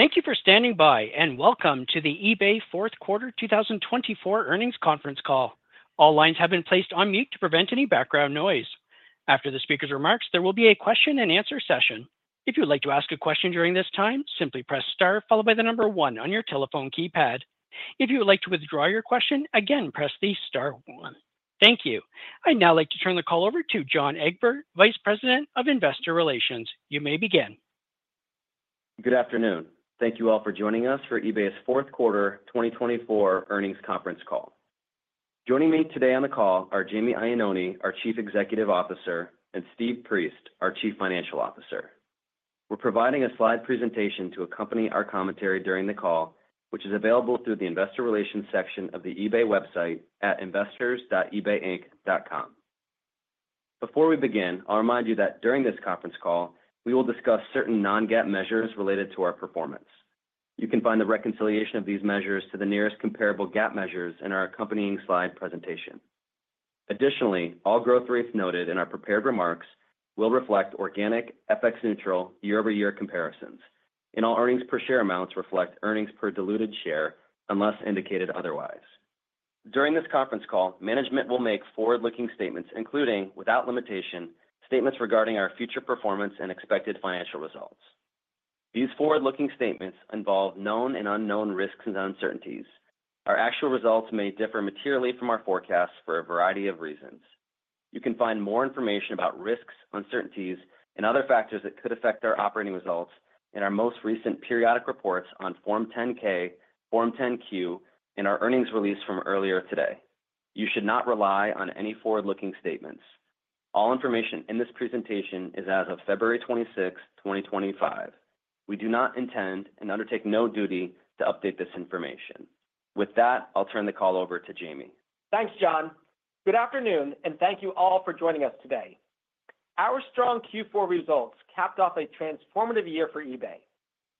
Thank you for standing by, and welcome to the eBay fourth quarter 2024 earnings conference call. All lines have been placed on mute to prevent any background noise. After the speaker's remarks, there will be a question-and-answer session. If you'd like to ask a question during this time, simply press Star, followed by the number one on your telephone keypad. If you would like to withdraw your question, again, press the Star one. Thank you. I'd now like to turn the call over to John Egbert, Vice President of Investor Relations. You may begin. Good afternoon. Thank you all for joining us for eBay's Fourth Quarter 2024 earnings conference call. Joining me today on the call are Jamie Iannone, our Chief Executive Officer, and Steve Priest, our Chief Financial Officer. We're providing a slide presentation to accompany our commentary during the call, which is available through the Investor Relations section of the eBay website at investors.ebayinc.com. Before we begin, I'll remind you that during this conference call, we will discuss certain non-GAAP measures related to our performance. You can find the reconciliation of these measures to the nearest comparable GAAP measures in our accompanying slide presentation. Additionally, all growth rates noted in our prepared remarks will reflect organic, FX-neutral, year-over-year comparisons, and all earnings per share amounts reflect earnings per diluted share unless indicated otherwise. During this conference call, management will make forward-looking statements, including, without limitation, statements regarding our future performance and expected financial results. These forward-looking statements involve known and unknown risks and uncertainties. Our actual results may differ materially from our forecasts for a variety of reasons. You can find more information about risks, uncertainties, and other factors that could affect our operating results in our most recent periodic reports on Form 10-K, Form 10-Q, and our earnings release from earlier today. You should not rely on any forward-looking statements. All information in this presentation is as of February 26, 2025. We do not intend and undertake no duty to update this information. With that, I'll turn the call over to Jamie. Thanks, John. Good afternoon, and thank you all for joining us today. Our strong Q4 results capped off a transformative year for eBay.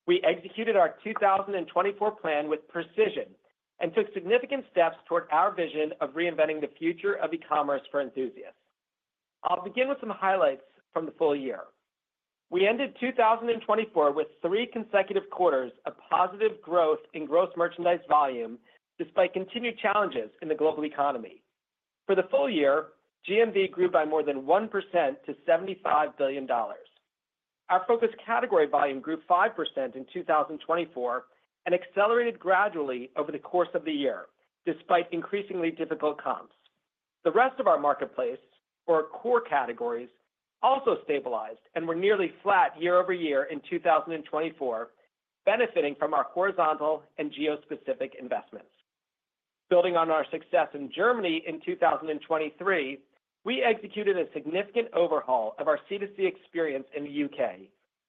We executed our 2024 plan with precision and took significant steps toward our vision of reinventing the future of e-commerce for enthusiasts. I'll begin with some highlights from the full year. We ended 2024 with three consecutive quarters of positive growth in gross merchandise volume despite continued challenges in the global economy. For the full year, GMV grew by more than 1% to $75 billion. Our focus category volume grew 5% in 2024 and accelerated gradually over the course of the year, despite increasingly difficult comps. The rest of our marketplace, or core categories, also stabilized and were nearly flat year-over-year in 2024, benefiting from our horizontal and geo-specific investments. Building on our success in Germany in 2023, we executed a significant overhaul of our C2C experience in the UK,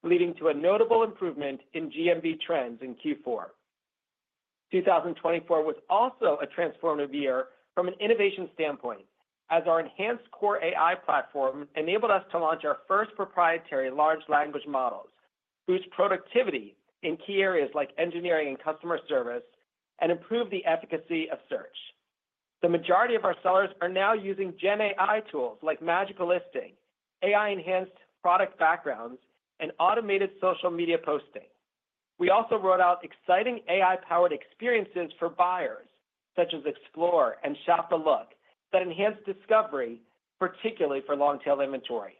leading to a notable improvement in GMV trends in Q4. 2024 was also a transformative year from an innovation standpoint, as our enhanced core AI platform enabled us to launch our first proprietary large language models, boost productivity in key areas like engineering and customer service, and improve the efficacy of search. The majority of our sellers are now using GenAI tools like Magical Listing, AI-enhanced product backgrounds, and automated social media posting. We also rolled out exciting AI-powered experiences for buyers, such as Explore and Shop the Look, that enhance discovery, particularly for long-tail inventory.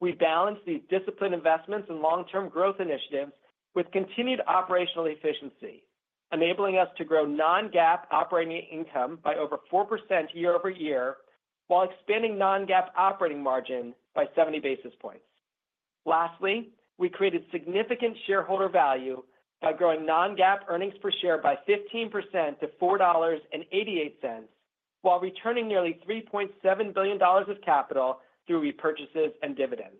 We balanced these disciplined investments and long-term growth initiatives with continued operational efficiency, enabling us to grow non-GAAP operating income by over 4% year-over-year while expanding non-GAAP operating margin by 70 basis points. Lastly, we created significant shareholder value by growing non-GAAP earnings per share by 15% to $4.88, while returning nearly $3.7 billion of capital through repurchases and dividends.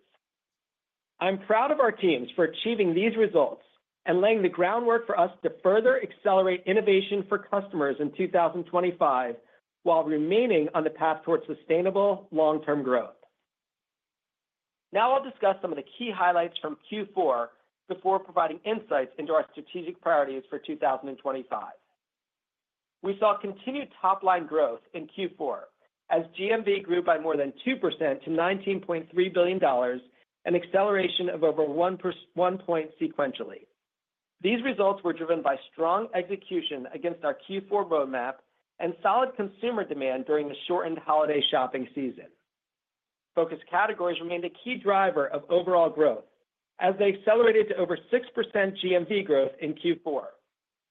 I'm proud of our teams for achieving these results and laying the groundwork for us to further accelerate innovation for customers in 2025 while remaining on the path toward sustainable long-term growth. Now I'll discuss some of the key highlights from Q4 before providing insights into our strategic priorities for 2025. We saw continued top-line growth in Q4, as GMV grew by more than 2% to $19.3 billion and acceleration of over 1 point sequentially. These results were driven by strong execution against our Q4 roadmap and solid consumer demand during the shortened holiday shopping season. Focus categories remained a key driver of overall growth, as they accelerated to over 6% GMV growth in Q4.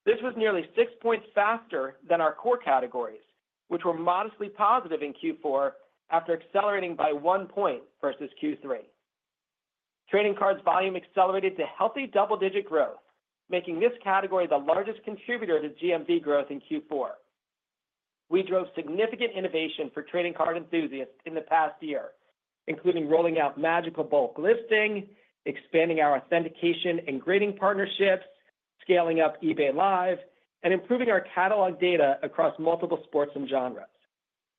This was nearly 6 points faster than our core categories, which were modestly positive in Q4 after accelerating by 1 point versus Q3. Trading cards volume accelerated to healthy double-digit growth, making this category the largest contributor to GMV growth in Q4. We drove significant innovation for trading card enthusiasts in the past year, including rolling out Magical Bulk Listing, expanding our authentication and grading partnerships, scaling up eBay Live, and improving our catalog data across multiple sports and genres.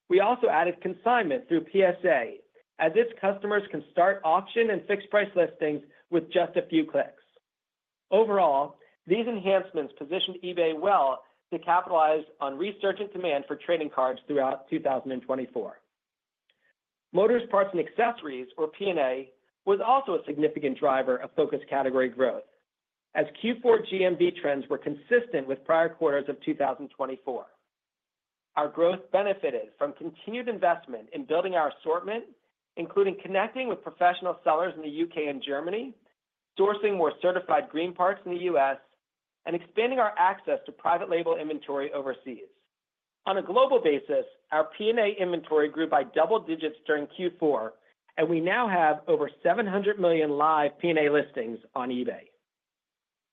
We also added consignment through PSA, as its customers can start auction and fixed-price listings with just a few clicks. Overall, these enhancements positioned eBay well to capitalize on resurgent demand for trading cards throughout 2024. Motors, parts, and accessories, or P&A, was also a significant driver of focus category growth, as Q4 GMV trends were consistent with prior quarters of 2024. Our growth benefited from continued investment in building our assortment, including connecting with professional sellers in the U.K. and Germany, sourcing more certified green parts in the U.S., and expanding our access to private label inventory overseas. On a global basis, our P&A inventory grew by double digits during Q4, and we now have over 700 million live P&A listings on eBay.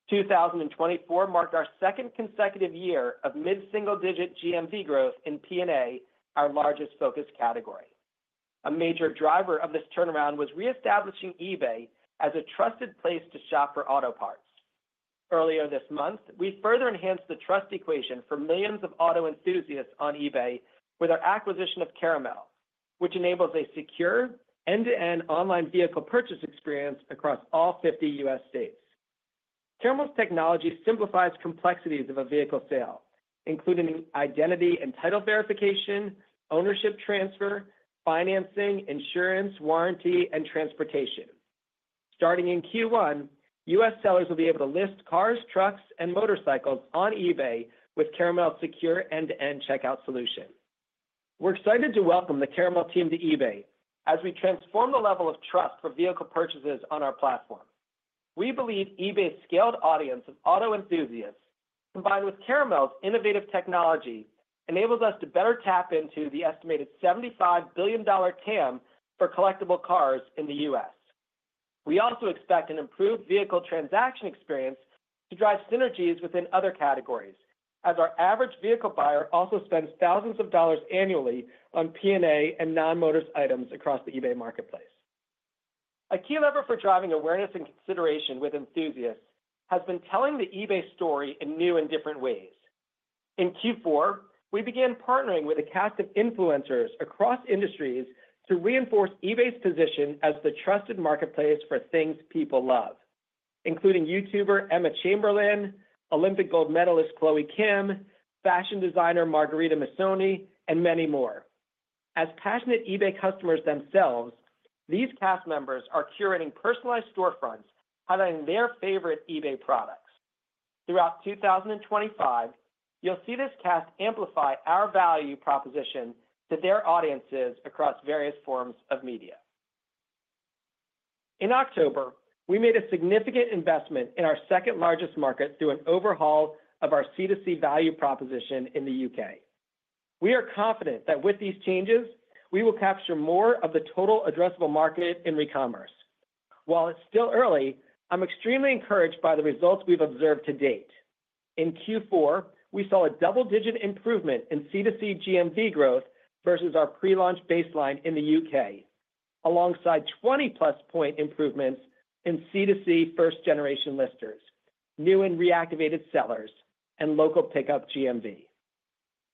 2024 marked our second consecutive year of mid-single-digit GMV growth in P&A, our largest focus category. A major driver of this turnaround was reestablishing eBay as a trusted place to shop for auto parts. Earlier this month, we further enhanced the trust equation for millions of auto enthusiasts on eBay with our acquisition of Caramel, which enables a secure end-to-end online vehicle purchase experience across all 50 U.S. states. Caramel's technology simplifies complexities of a vehicle sale, including identity and title verification, ownership transfer, financing, insurance, warranty, and transportation. Starting in Q1, US sellers will be able to list cars, trucks, and motorcycles on eBay with Caramel's secure end-to-end checkout solution. We're excited to welcome the Caramel team to eBay as we transform the level of trust for vehicle purchases on our platform. We believe eBay's scaled audience of auto enthusiasts, combined with Caramel's innovative technology, enables us to better tap into the estimated $75 billion TAM for collectible cars in the US. We also expect an improved vehicle transaction experience to drive synergies within other categories, as our average vehicle buyer also spends thousands of dollars annually on P&A and non-motors items across the eBay marketplace. A key lever for driving awareness and consideration with enthusiasts has been telling the eBay story in new and different ways. In Q4, we began partnering with a cast of influencers across industries to reinforce eBay's position as the trusted marketplace for things people love, including YouTuber Emma Chamberlain, Olympic gold medalist Chloe Kim, fashion designer Margherita Missoni, and many more. As passionate eBay customers themselves, these cast members are curating personalized storefronts highlighting their favorite eBay products. Throughout 2025, you'll see this cast amplify our value proposition to their audiences across various forms of media. In October, we made a significant investment in our second-largest market through an overhaul of our C2C value proposition in the UK. We are confident that with these changes, we will capture more of the total addressable market in re-commerce. While it's still early, I'm extremely encouraged by the results we've observed to date. In Q4, we saw a double-digit improvement in C2C GMV growth versus our pre-launch baseline in the U.K., alongside 20-plus point improvements in C2C first-generation listers, new and reactivated sellers, and local pickup GMV.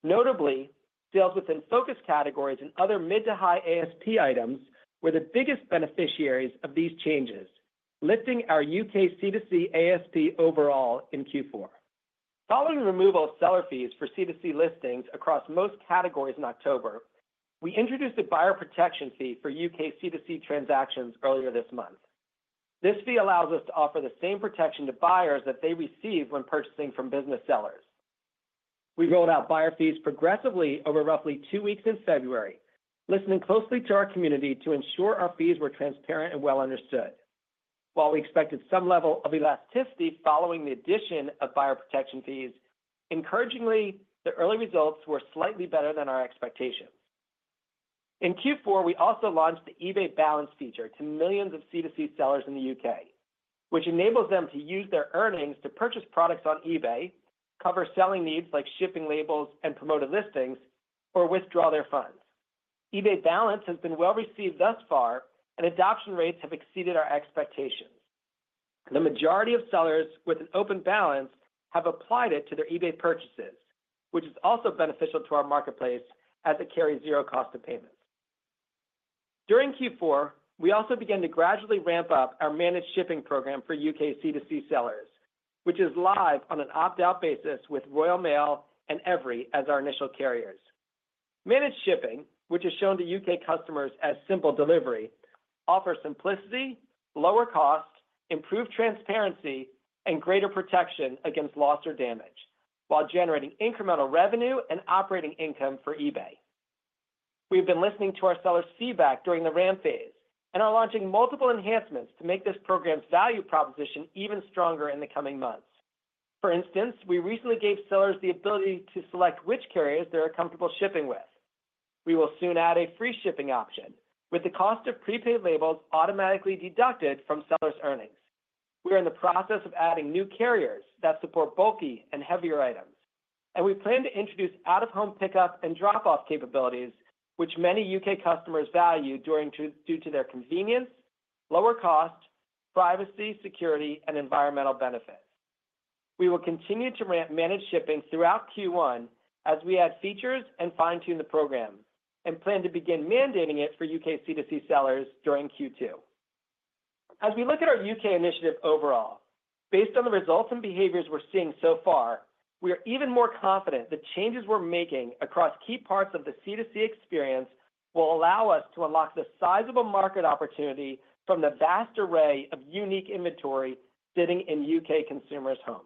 Notably, sales within focus categories and other mid-to-high ASP items were the biggest beneficiaries of these changes, lifting our U.K. C2C ASP overall in Q4. Following the removal of seller fees for C2C listings across most categories in October, we introduced a buyer protection fee for U.K. C2C transactions earlier this month. This fee allows us to offer the same protection to buyers that they receive when purchasing from business sellers. We rolled out buyer fees progressively over roughly two weeks in February, listening closely to our community to ensure our fees were transparent and well understood. While we expected some level of elasticity following the addition of buyer protection fees, encouragingly, the early results were slightly better than our expectations. In Q4, we also launched the eBay Balance feature to millions of C2C sellers in the UK, which enables them to use their earnings to purchase products on eBay, cover selling needs like shipping labels and promoted listings, or withdraw their funds. eBay Balance has been well received thus far, and adoption rates have exceeded our expectations. The majority of sellers with an open balance have applied it to their eBay purchases, which is also beneficial to our marketplace as it carries zero cost of payments. During Q4, we also began to gradually ramp up our managed shipping program for UK C2C sellers, which is live on an opt-out basis with Royal Mail and Evri as our initial carriers. Managed Shipping, which is shown to U.K. customers as Simple Delivery, offers simplicity, lower cost, improved transparency, and greater protection against loss or damage, while generating incremental revenue and operating income for eBay. We've been listening to our sellers' feedback during the ramp phase and are launching multiple enhancements to make this program's value proposition even stronger in the coming months. For instance, we recently gave sellers the ability to select which carriers they're comfortable shipping with. We will soon add a free shipping option, with the cost of prepaid labels automatically deducted from sellers' earnings. We're in the process of adding new carriers that support bulky and heavier items, and we plan to introduce out-of-home pickup and drop-off capabilities, which many U.K. customers value due to their convenience, lower cost, privacy, security, and environmental benefits. We will continue to manage shipping throughout Q1 as we add features and fine-tune the program and plan to begin mandating it for UK C2C sellers during Q2. As we look at our UK initiative overall, based on the results and behaviors we're seeing so far, we are even more confident the changes we're making across key parts of the C2C experience will allow us to unlock the sizable market opportunity from the vast array of unique inventory sitting in UK consumers' homes.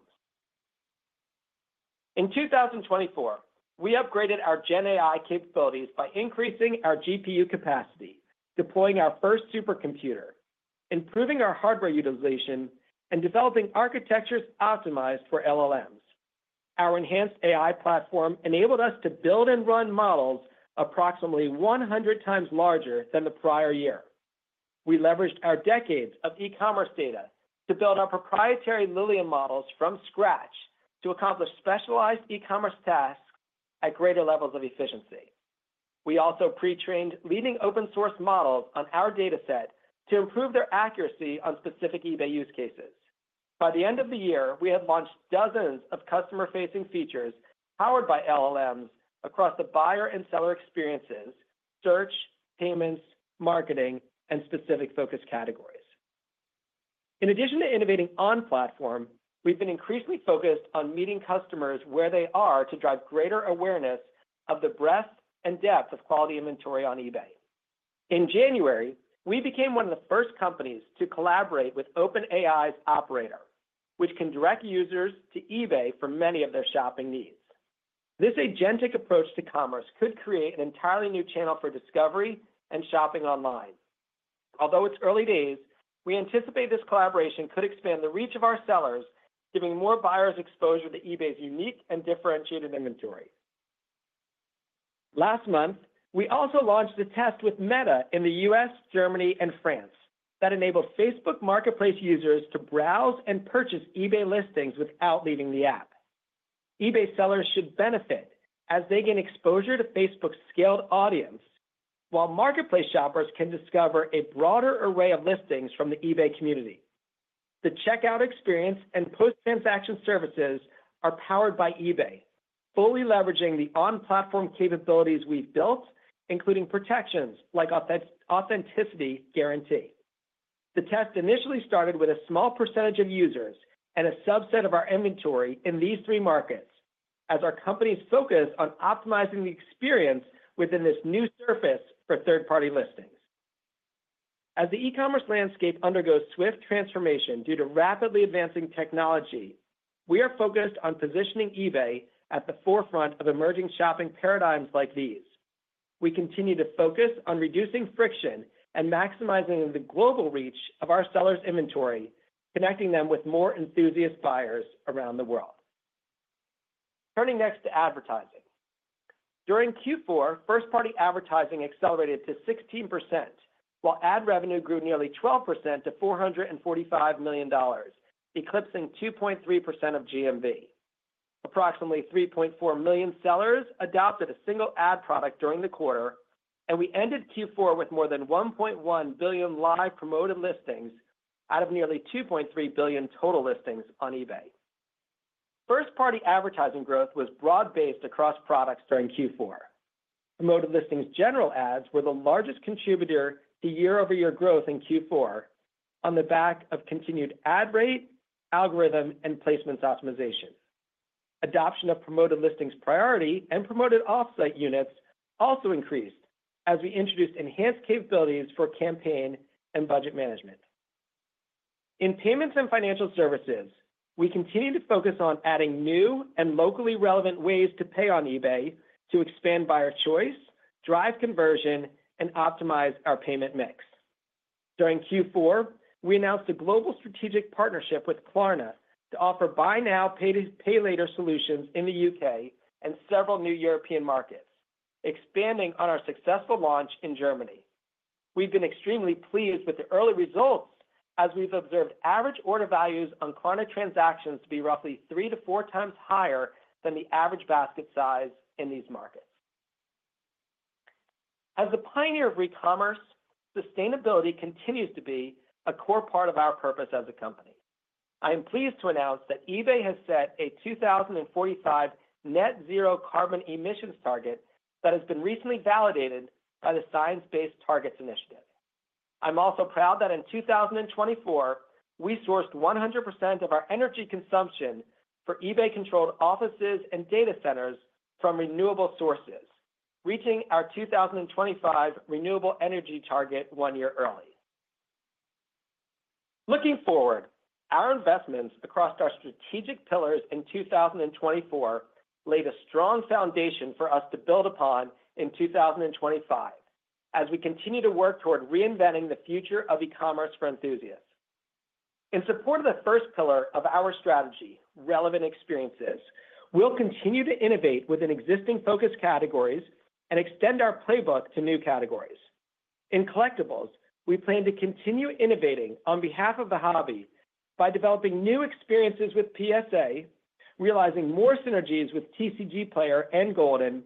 In 2024, we upgraded our GenAI capabilities by increasing our GPU capacity, deploying our first supercomputer, improving our hardware utilization, and developing architectures optimized for LLMs. Our enhanced AI platform enabled us to build and run models approximately 100 times larger than the prior year. We leveraged our decades of e-commerce data to build our proprietary Lillian models from scratch to accomplish specialized e-commerce tasks at greater levels of efficiency. We also pre-trained leading open-source models on our dataset to improve their accuracy on specific eBay use cases. By the end of the year, we had launched dozens of customer-facing features powered by LLMs across the buyer and seller experiences, search, payments, marketing, and specific focus categories. In addition to innovating on-platform, we've been increasingly focused on meeting customers where they are to drive greater awareness of the breadth and depth of quality inventory on eBay. In January, we became one of the first companies to collaborate with OpenAI's Operator, which can direct users to eBay for many of their shopping needs. This agentic approach to commerce could create an entirely new channel for discovery and shopping online. Although it's early days, we anticipate this collaboration could expand the reach of our sellers, giving more buyers exposure to eBay's unique and differentiated inventory. Last month, we also launched a test with Meta in the U.S., Germany, and France that enabled Facebook Marketplace users to browse and purchase eBay listings without leaving the app. eBay sellers should benefit as they gain exposure to Facebook's scaled audience, while Marketplace shoppers can discover a broader array of listings from the eBay community. The checkout experience and post-transaction services are powered by eBay, fully leveraging the on-platform capabilities we've built, including protections like authenticity guarantee. The test initially started with a small percentage of users and a subset of our inventory in these three markets, as our company is focused on optimizing the experience within this new surface for third-party listings. As the e-commerce landscape undergoes swift transformation due to rapidly advancing technology, we are focused on positioning eBay at the forefront of emerging shopping paradigms like these. We continue to focus on reducing friction and maximizing the global reach of our sellers' inventory, connecting them with more enthusiast buyers around the world. Turning next to advertising. During Q4, first-party advertising accelerated to 16%, while ad revenue grew nearly 12% to $445 million, eclipsing 2.3% of GMV. Approximately 3.4 million sellers adopted a single ad product during the quarter, and we ended Q4 with more than 1.1 billion live promoted listings out of nearly 2.3 billion total listings on eBay. First-party advertising growth was broad-based across products during Q4. Promoted listings' general ads were the largest contributor to year-over-year growth in Q4 on the back of continued ad rate, algorithm, and placements optimization. Adoption of promoted listings priority and promoted offsite units also increased as we introduced enhanced capabilities for campaign and budget management. In payments and financial services, we continue to focus on adding new and locally relevant ways to pay on eBay to expand buyer choice, drive conversion, and optimize our payment mix. During Q4, we announced a global strategic partnership with Klarna to offer buy now, pay later solutions in the U.K. and several new European markets, expanding on our successful launch in Germany. We've been extremely pleased with the early results as we've observed average order values on Klarna transactions to be roughly three to four times higher than the average basket size in these markets. As the pioneer of re-commerce, sustainability continues to be a core part of our purpose as a company. I am pleased to announce that eBay has set a 2045 net-zero carbon emissions target that has been recently validated by the Science Based Targets initiative. I'm also proud that in 2024, we sourced 100% of our energy consumption for eBay-controlled offices and data centers from renewable sources, reaching our 2025 renewable energy target one year early. Looking forward, our investments across our strategic pillars in 2024 laid a strong foundation for us to build upon in 2025 as we continue to work toward reinventing the future of e-commerce for enthusiasts. In support of the first pillar of our strategy, relevant experiences, we'll continue to innovate within existing focus categories and extend our playbook to new categories. In collectibles, we plan to continue innovating on behalf of the hobby by developing new experiences with PSA, realizing more synergies with TCGplayer and Goldin,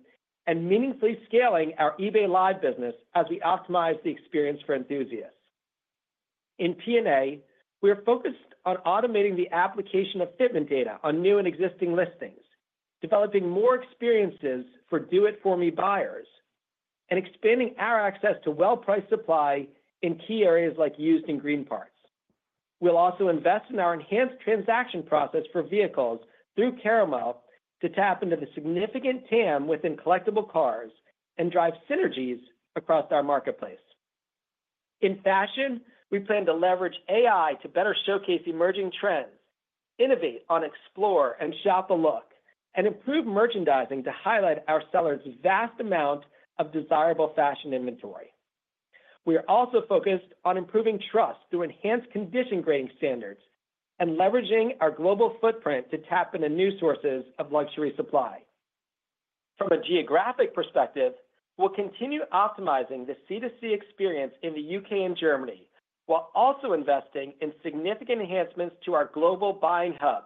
and meaningfully scaling our eBay Live business as we optimize the experience for enthusiasts. In P&A, we're focused on automating the application of fitment data on new and existing listings, developing more experiences for do-it-for-me buyers, and expanding our access to well-priced supply in key areas like used and green parts. We'll also invest in our enhanced transaction process for vehicles through Caramel to tap into the significant TAM within collectible cars and drive synergies across our marketplace. In fashion, we plan to leverage AI to better showcase emerging trends, innovate on Explore and Shop the Look, and improve merchandising to highlight our sellers' vast amount of desirable fashion inventory. We are also focused on improving trust through enhanced condition grading standards and leveraging our global footprint to tap into new sources of luxury supply. From a geographic perspective, we'll continue optimizing the C2C experience in the UK and Germany while also investing in significant enhancements to our global buying hub,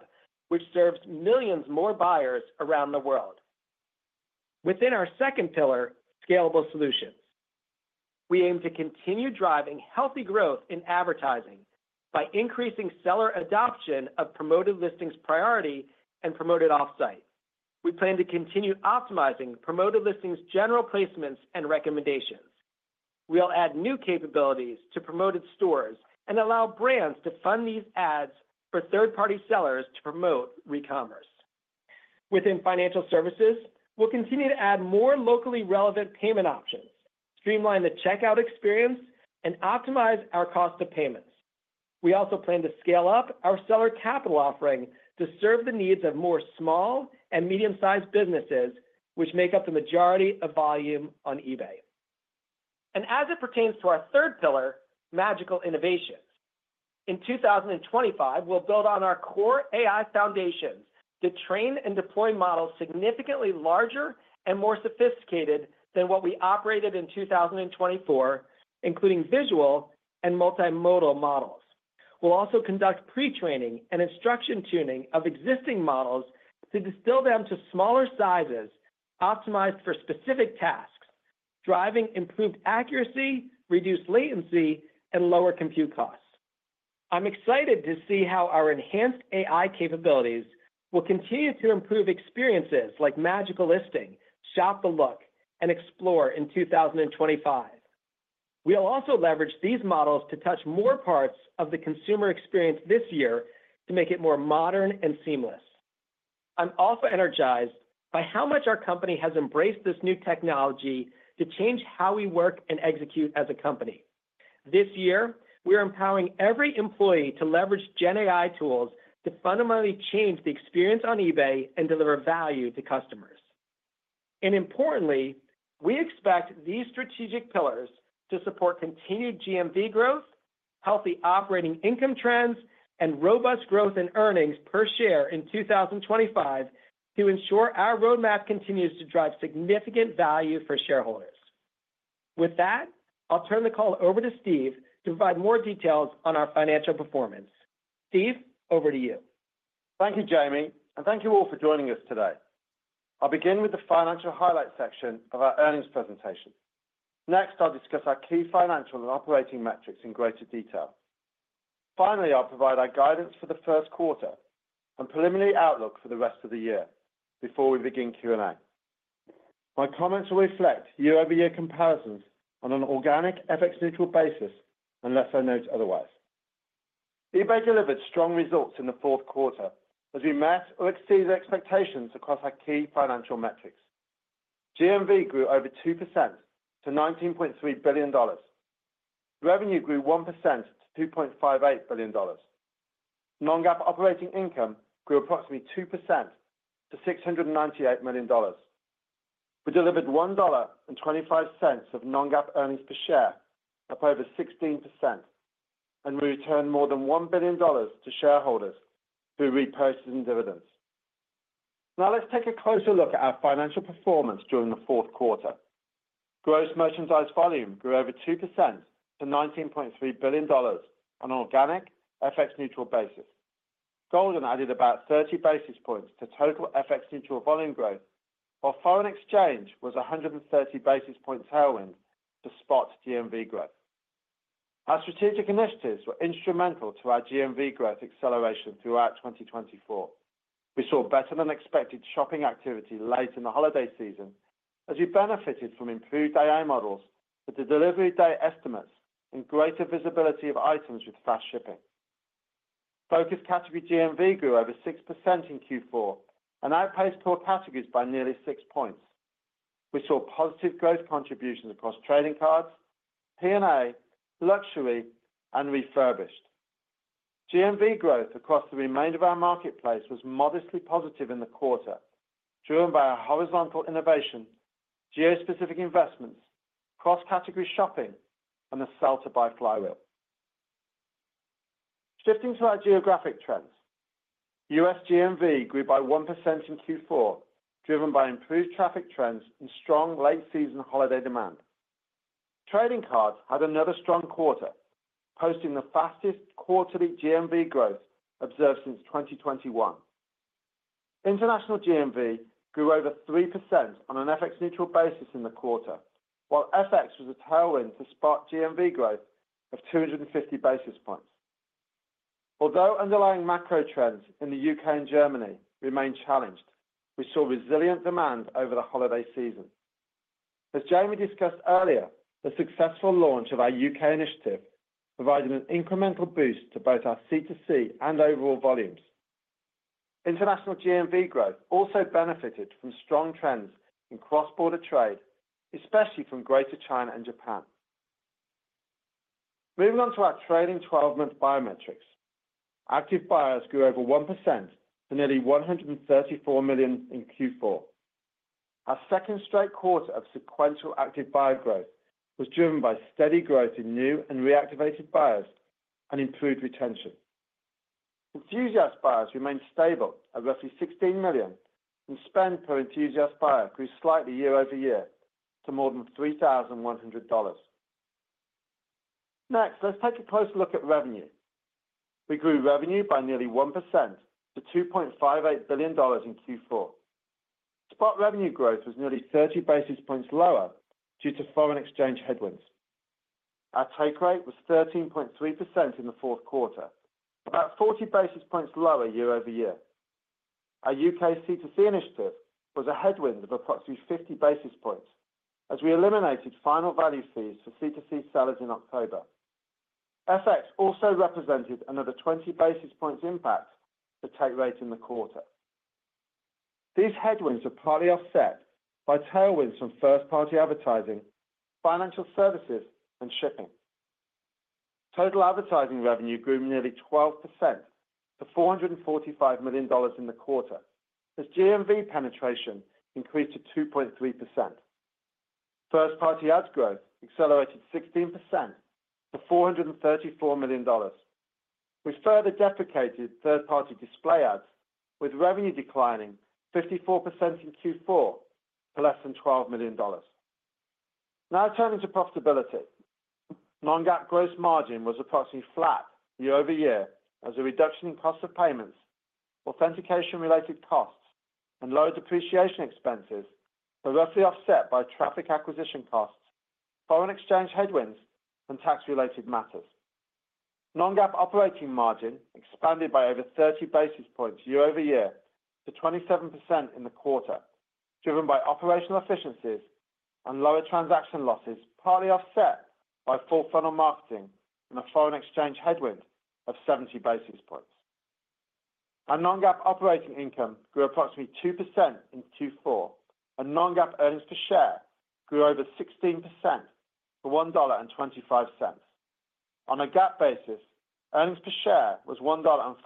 which serves millions more buyers around the world. Within our second pillar, scalable solutions, we aim to continue driving healthy growth in advertising by increasing seller adoption of Promoted Listings Priority and Promoted Offsite. We plan to continue optimizing Promoted Listings' general placements and recommendations. We'll add new capabilities to Promoted Stores and allow brands to fund these ads for third-party sellers to promote re-commerce. Within financial services, we'll continue to add more locally relevant payment options, streamline the checkout experience, and optimize our cost of payments. We also plan to scale up our seller capital offering to serve the needs of more small and medium-sized businesses, which make up the majority of volume on eBay, and as it pertains to our third pillar, Magical Innovations. In 2025, we'll build on our core AI foundations to train and deploy models significantly larger and more sophisticated than what we operated in 2024, including visual and multimodal models. We'll also conduct pre-training and instruction tuning of existing models to distill them to smaller sizes optimized for specific tasks, driving improved accuracy, reduced latency, and lower compute costs. I'm excited to see how our enhanced AI capabilities will continue to improve experiences like Magical Listing, Shop the Look, and Explore in 2025. We'll also leverage these models to touch more parts of the consumer experience this year to make it more modern and seamless. I'm also energized by how much our company has embraced this new technology to change how we work and execute as a company. This year, we are empowering every employee to leverage GenAI tools to fundamentally change the experience on eBay and deliver value to customers. And importantly, we expect these strategic pillars to support continued GMV growth, healthy operating income trends, and robust growth in earnings per share in 2025 to ensure our roadmap continues to drive significant value for shareholders. With that, I'll turn the call over to Steve to provide more details on our financial performance. Steve, over to you. Thank you, Jamie, and thank you all for joining us today. I'll begin with the financial highlight section of our earnings presentation. Next, I'll discuss our key financial and operating metrics in greater detail. Finally, I'll provide our guidance for the first quarter and preliminary outlook for the rest of the year before we begin Q&A. My comments will reflect year-over-year comparisons on an organic, FX-neutral basis unless I note otherwise. eBay delivered strong results in the fourth quarter as we met or exceeded expectations across our key financial metrics. GMV grew over 2% to $19.3 billion. Revenue grew 1% to $2.58 billion. Non-GAAP operating income grew approximately 2% to $698 million. We delivered $1.25 of non-GAAP earnings per share up over 16%, and we returned more than $1 billion to shareholders through repurchases and dividends. Now, let's take a closer look at our financial performance during the fourth quarter. Gross merchandise volume grew over 2% to $19.3 billion on an organic, FX-neutral basis. Goldin added about 30 basis points to total FX-neutral volume growth, while foreign exchange was 130 basis points tailwind to spot GMV growth. Our strategic initiatives were instrumental to our GMV growth acceleration throughout 2024. We saw better-than-expected shopping activity late in the holiday season as we benefited from improved AI models with the delivery day estimates and greater visibility of items with fast shipping. Focus category GMV grew over 6% in Q4 and outpaced core categories by nearly 6 points. We saw positive growth contributions across trading cards, P&A, luxury, and refurbished. GMV growth across the remainder of our marketplace was modestly positive in the quarter, driven by our horizontal innovation, geo-specific investments, cross-category shopping, and the sell-to-buy flywheel. Shifting to our geographic trends, US GMV grew by 1% in Q4, driven by improved traffic trends and strong late-season holiday demand. Trading cards had another strong quarter, posting the fastest quarterly GMV growth observed since 2021. International GMV grew over 3% on an FX-neutral basis in the quarter, while FX was a tailwind to spot GMV growth of 250 basis points. Although underlying macro trends in the U.K. and Germany remain challenged, we saw resilient demand over the holiday season. As Jamie discussed earlier, the successful launch of our U.K. initiative provided an incremental boost to both our C2C and overall volumes. International GMV growth also benefited from strong trends in cross-border trade, especially from Greater China and Japan. Moving on to our trailing 12-month metrics, active buyers grew over 1% to nearly 134 million in Q4. Our second straight quarter of sequential active buyer growth was driven by steady growth in new and reactivated buyers and improved retention. Enthusiast buyers remained stable at roughly 16 million, and spend per enthusiast buyer grew slightly year-over-year to more than $3,100. Next, let's take a closer look at revenue. We grew revenue by nearly 1% to $2.58 billion in Q4. Spot revenue growth was nearly 30 basis points lower due to foreign exchange headwinds. Our take rate was 13.3% in the fourth quarter, about 40 basis points lower year-over-year. Our U.K. C2C initiative was a headwind of approximately 50 basis points as we eliminated final value fees for C2C sellers in October. FX also represented another 20 basis points impact to take rate in the quarter. These headwinds were partly offset by tailwinds from first-party advertising, financial services, and shipping. Total advertising revenue grew nearly 12% to $445 million in the quarter as GMV penetration increased to 2.3%. First-party ads growth accelerated 16% to $434 million. We further deprecated third-party display ads, with revenue declining 54% in Q4 to less than $12 million. Now turning to profitability, non-GAAP gross margin was approximately flat year-over-year as a reduction in cost of payments, authentication-related costs, and low depreciation expenses were roughly offset by traffic acquisition costs, foreign exchange headwinds, and tax-related matters. Non-GAAP operating margin expanded by over 30 basis points year-over-year to 27% in the quarter, driven by operational efficiencies and lower transaction losses partly offset by full-funnel marketing and a foreign exchange headwind of 70 basis points. Our non-GAAP operating income grew approximately 2% in Q4, and non-GAAP earnings per share grew over 16% to $1.25. On a GAAP basis, earnings per share was $1.40.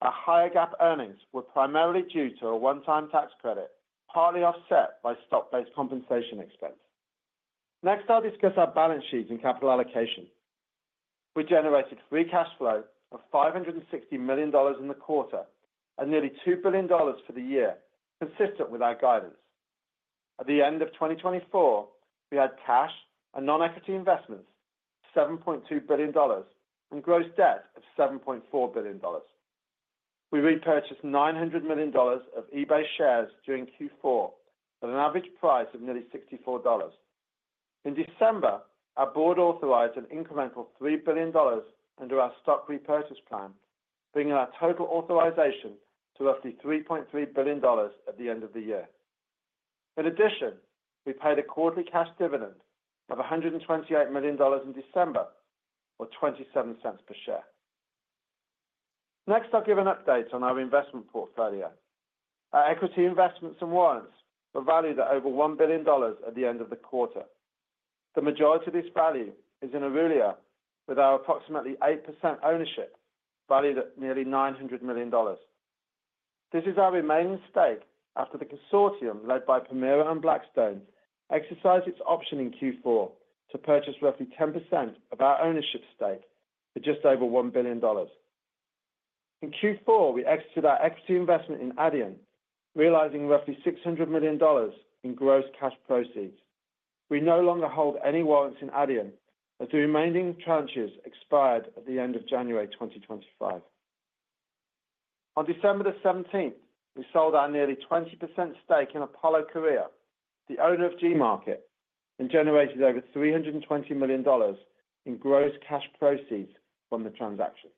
Our higher GAAP earnings were primarily due to a one-time tax credit, partly offset by stock-based compensation expense. Next, I'll discuss our balance sheets and capital allocation. We generated free cash flow of $560 million in the quarter and nearly $2 billion for the year, consistent with our guidance. At the end of 2024, we had cash and non-equity investments of $7.2 billion and gross debt of $7.4 billion. We repurchased $900 million of eBay shares during Q4 at an average price of nearly $64. In December, our board authorized an incremental $3 billion under our stock repurchase plan, bringing our total authorization to roughly $3.3 billion at the end of the year. In addition, we paid a quarterly cash dividend of $128 million in December, or $0.27 per share. Next, I'll give an update on our investment portfolio. Our equity investments and warrants were valued at over $1 billion at the end of the quarter. The majority of this value is in Adevinta, with our approximately 8% ownership valued at nearly $900 million. This is our remaining stake after the consortium led by Permira and Blackstone exercised its option in Q4 to purchase roughly 10% of our ownership stake for just over $1 billion. In Q4, we exited our equity investment in Adyen, realizing roughly $600 million in gross cash proceeds. We no longer hold any warrants in Adyen as the remaining tranches expire at the end of January 2025. On December 17, we sold our nearly 20% stake in Apollo Global Management, the owner of Gmarket, and generated over $320 million in gross cash proceeds from the transaction.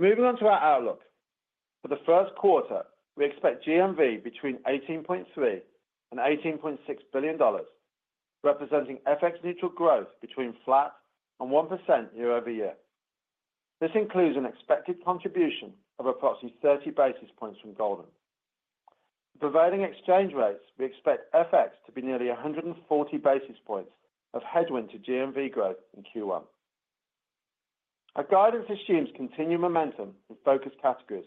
Moving on to our outlook. For the first quarter, we expect GMV between $18.3 and $18.6 billion, representing FX-neutral growth between flat and 1% year-over-year. This includes an expected contribution of approximately 30 basis points from Goldin. The prevailing exchange rates, we expect FX to be nearly 140 basis points of headwind to GMV growth in Q1. Our guidance assumes continued momentum in focus categories,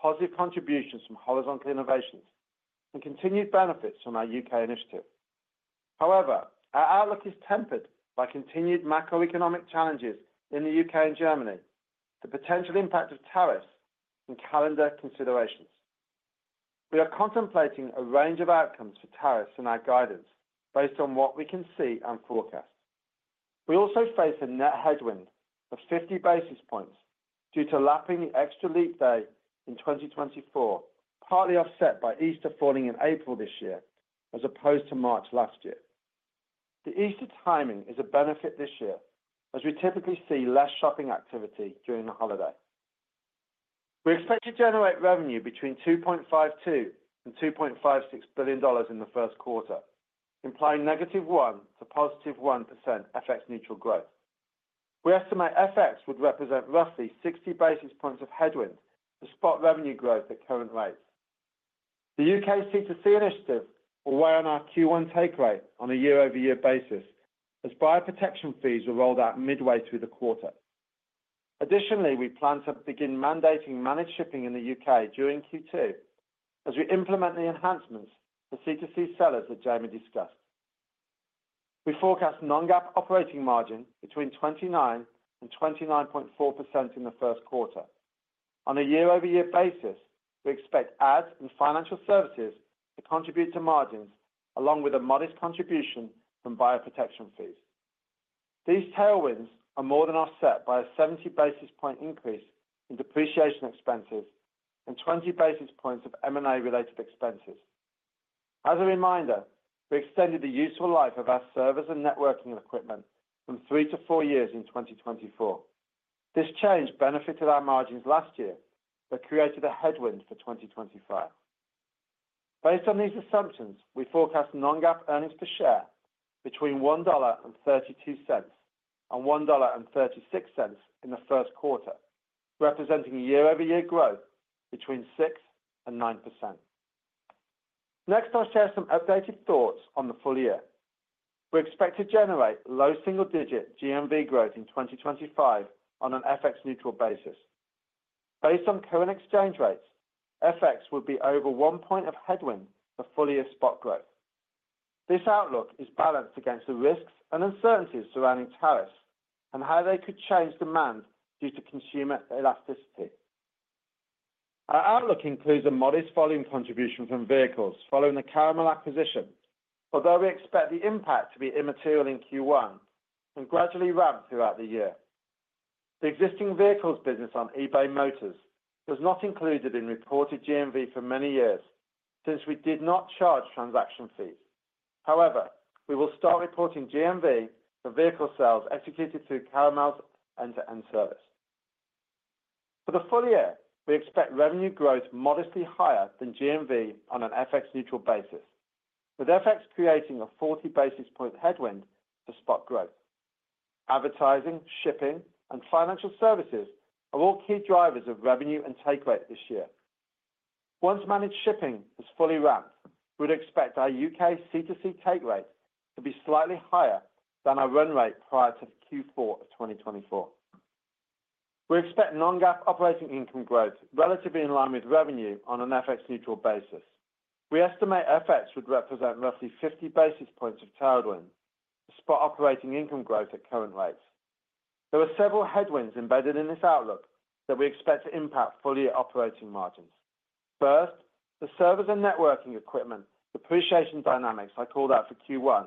positive contributions from horizontal innovations, and continued benefits from our UK initiative. However, our outlook is tempered by continued macroeconomic challenges in the UK and Germany, the potential impact of tariffs, and calendar considerations. We are contemplating a range of outcomes for tariffs in our guidance based on what we can see and forecast. We also face a net headwind of 50 basis points due to lapping the extra leap day in 2024, partly offset by Easter falling in April this year as opposed to March last year. The Easter timing is a benefit this year as we typically see less shopping activity during the holiday. We expect to generate revenue between $2.52 and $2.56 billion in the first quarter, implying negative 1% to positive 1% FX-neutral growth. We estimate FX would represent roughly 60 basis points of headwind to spot revenue growth at current rates. The UK C2C initiative will weigh on our Q1 take rate on a year-over-year basis as buyer protection fees are rolled out midway through the quarter. Additionally, we plan to begin mandating managed shipping in the UK during Q2 as we implement the enhancements for C2C sellers that Jamie discussed. We forecast non-GAAP operating margin between 29% and 29.4% in the first quarter. On a year-over-year basis, we expect ads and financial services to contribute to margins along with a modest contribution from buyer protection fees. These tailwinds are more than offset by a 70 basis point increase in depreciation expenses and 20 basis points of M&A-related expenses. As a reminder, we extended the useful life of our servers and networking equipment from three to four years in 2024. This change benefited our margins last year but created a headwind for 2025. Based on these assumptions, we forecast non-GAAP earnings per share between $1.32-$1.36 in the first quarter, representing year-over-year growth between 6%-9%. Next, I'll share some updated thoughts on the full year. We expect to generate low single-digit GMV growth in 2025 on an FX-neutral basis. Based on current exchange rates, FX would be over one point of headwind for full-year spot growth. This outlook is balanced against the risks and uncertainties surrounding tariffs and how they could change demand due to consumer elasticity. Our outlook includes a modest volume contribution from vehicles following the Caramel acquisition, although we expect the impact to be immaterial in Q1 and gradually ramp throughout the year. The existing vehicles business on eBay Motors was not included in reported GMV for many years since we did not charge transaction fees. However, we will start reporting GMV for vehicle sales executed through Caramel's end-to-end service. For the full year, we expect revenue growth modestly higher than GMV on an FX-neutral basis, with FX creating a 40 basis points headwind to spot growth. Advertising, shipping, and financial services are all key drivers of revenue and take rate this year. Once managed shipping is fully ramped, we would expect our UK C2C take rate to be slightly higher than our run rate prior to Q4 of 2024. We expect non-GAAP operating income growth relatively in line with revenue on an FX-neutral basis. We estimate FX would represent roughly 50 basis points of tailwind to spot operating income growth at current rates. There are several headwinds embedded in this outlook that we expect to impact full-year operating margins. First, the servers and networking equipment depreciation dynamics I called out for Q1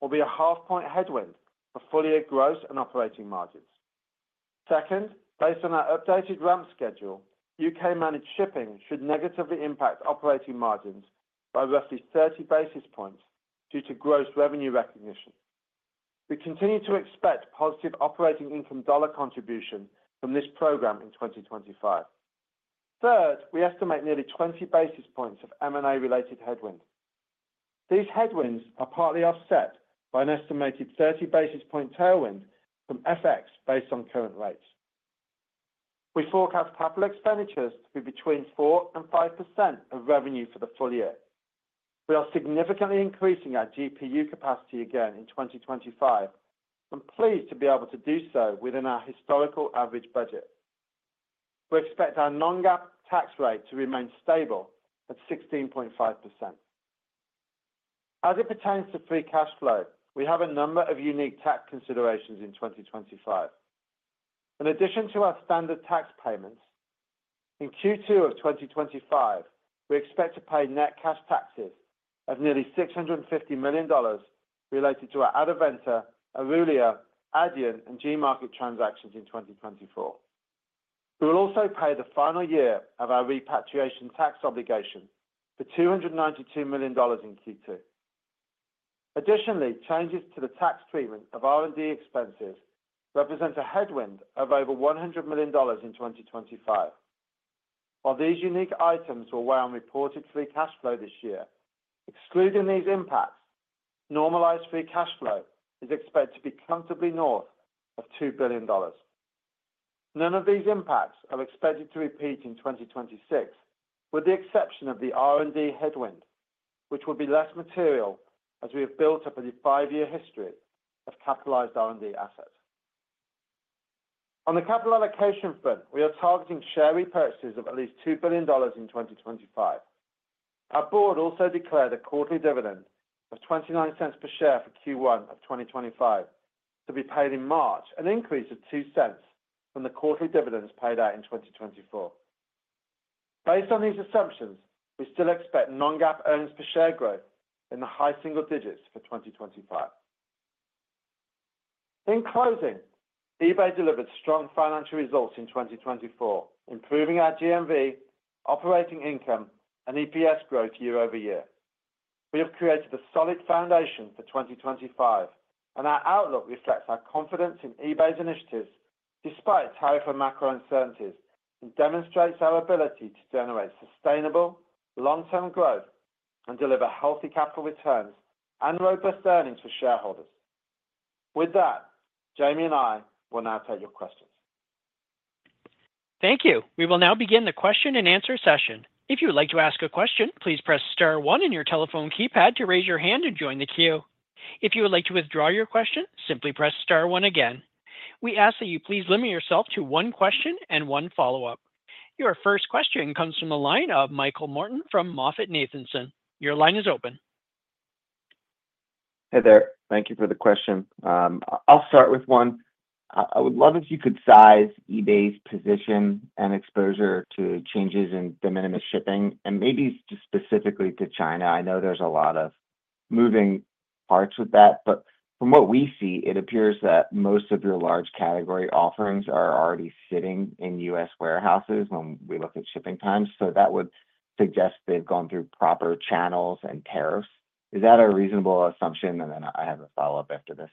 will be a half-point headwind for full-year gross and operating margins. Second, based on our updated ramp schedule, UK managed shipping should negatively impact operating margins by roughly 30 basis points due to gross revenue recognition. We continue to expect positive operating income dollar contribution from this program in 2025. Third, we estimate nearly 20 basis points of M&A-related headwind. These headwinds are partly offset by an estimated 30 basis point tailwind from FX based on current rates. We forecast capital expenditures to be between 4% and 5% of revenue for the full year. We are significantly increasing our GPU capacity again in 2025 and pleased to be able to do so within our historical average budget. We expect our non-GAAP tax rate to remain stable at 16.5%. As it pertains to free cash flow, we have a number of unique tax considerations in 2025. In addition to our standard tax payments, in Q2 of 2025, we expect to pay net cash taxes of nearly $650 million related to our Adevinta, Erulia, Adyen, and Gmarket transactions in 2024. We will also pay the final year of our repatriation tax obligation for $292 million in Q2. Additionally, changes to the tax treatment of R&D expenses represent a headwind of over $100 million in 2025. While these unique items will weigh on reported free cash flow this year, excluding these impacts, normalized free cash flow is expected to be comfortably north of $2 billion. None of these impacts are expected to repeat in 2026, with the exception of the R&D headwind, which will be less material as we have built up a five-year history of capitalized R&D assets. On the capital allocation front, we are targeting share repurchases of at least $2 billion in 2025. Our board also declared a quarterly dividend of $0.29 per share for Q1 of 2025 to be paid in March, an increase of $0.02 from the quarterly dividends paid out in 2024. Based on these assumptions, we still expect non-GAAP earnings per share growth in the high single digits for 2025. In closing, eBay delivered strong financial results in 2024, improving our GMV, operating income, and EPS growth year-over-year. We have created a solid foundation for 2025, and our outlook reflects our confidence in eBay's initiatives despite tariff and macro uncertainties and demonstrates our ability to generate sustainable long-term growth and deliver healthy capital returns and robust earnings for shareholders. With that, Jamie and I will now take your questions. Thank you. We will now begin the question and answer session. If you would like to ask a question, please press Star 1 in your telephone keypad to raise your hand and join the queue. If you would like to withdraw your question, simply press Star 1 again. We ask that you please limit yourself to one question and one follow-up. Your first question comes from the line of Michael Morton from MoffettNathanson. Your line is open. Hey there. Thank you for the question. I'll start with one. I would love if you could size eBay's position and exposure to changes in de minimis shipping and maybe just specifically to China. I know there's a lot of moving parts with that, but from what we see, it appears that most of your large category offerings are already sitting in U.S. warehouses when we look at shipping times. So that would suggest they've gone through proper channels and tariffs. Is that a reasonable assumption? And then I have a follow-up after this.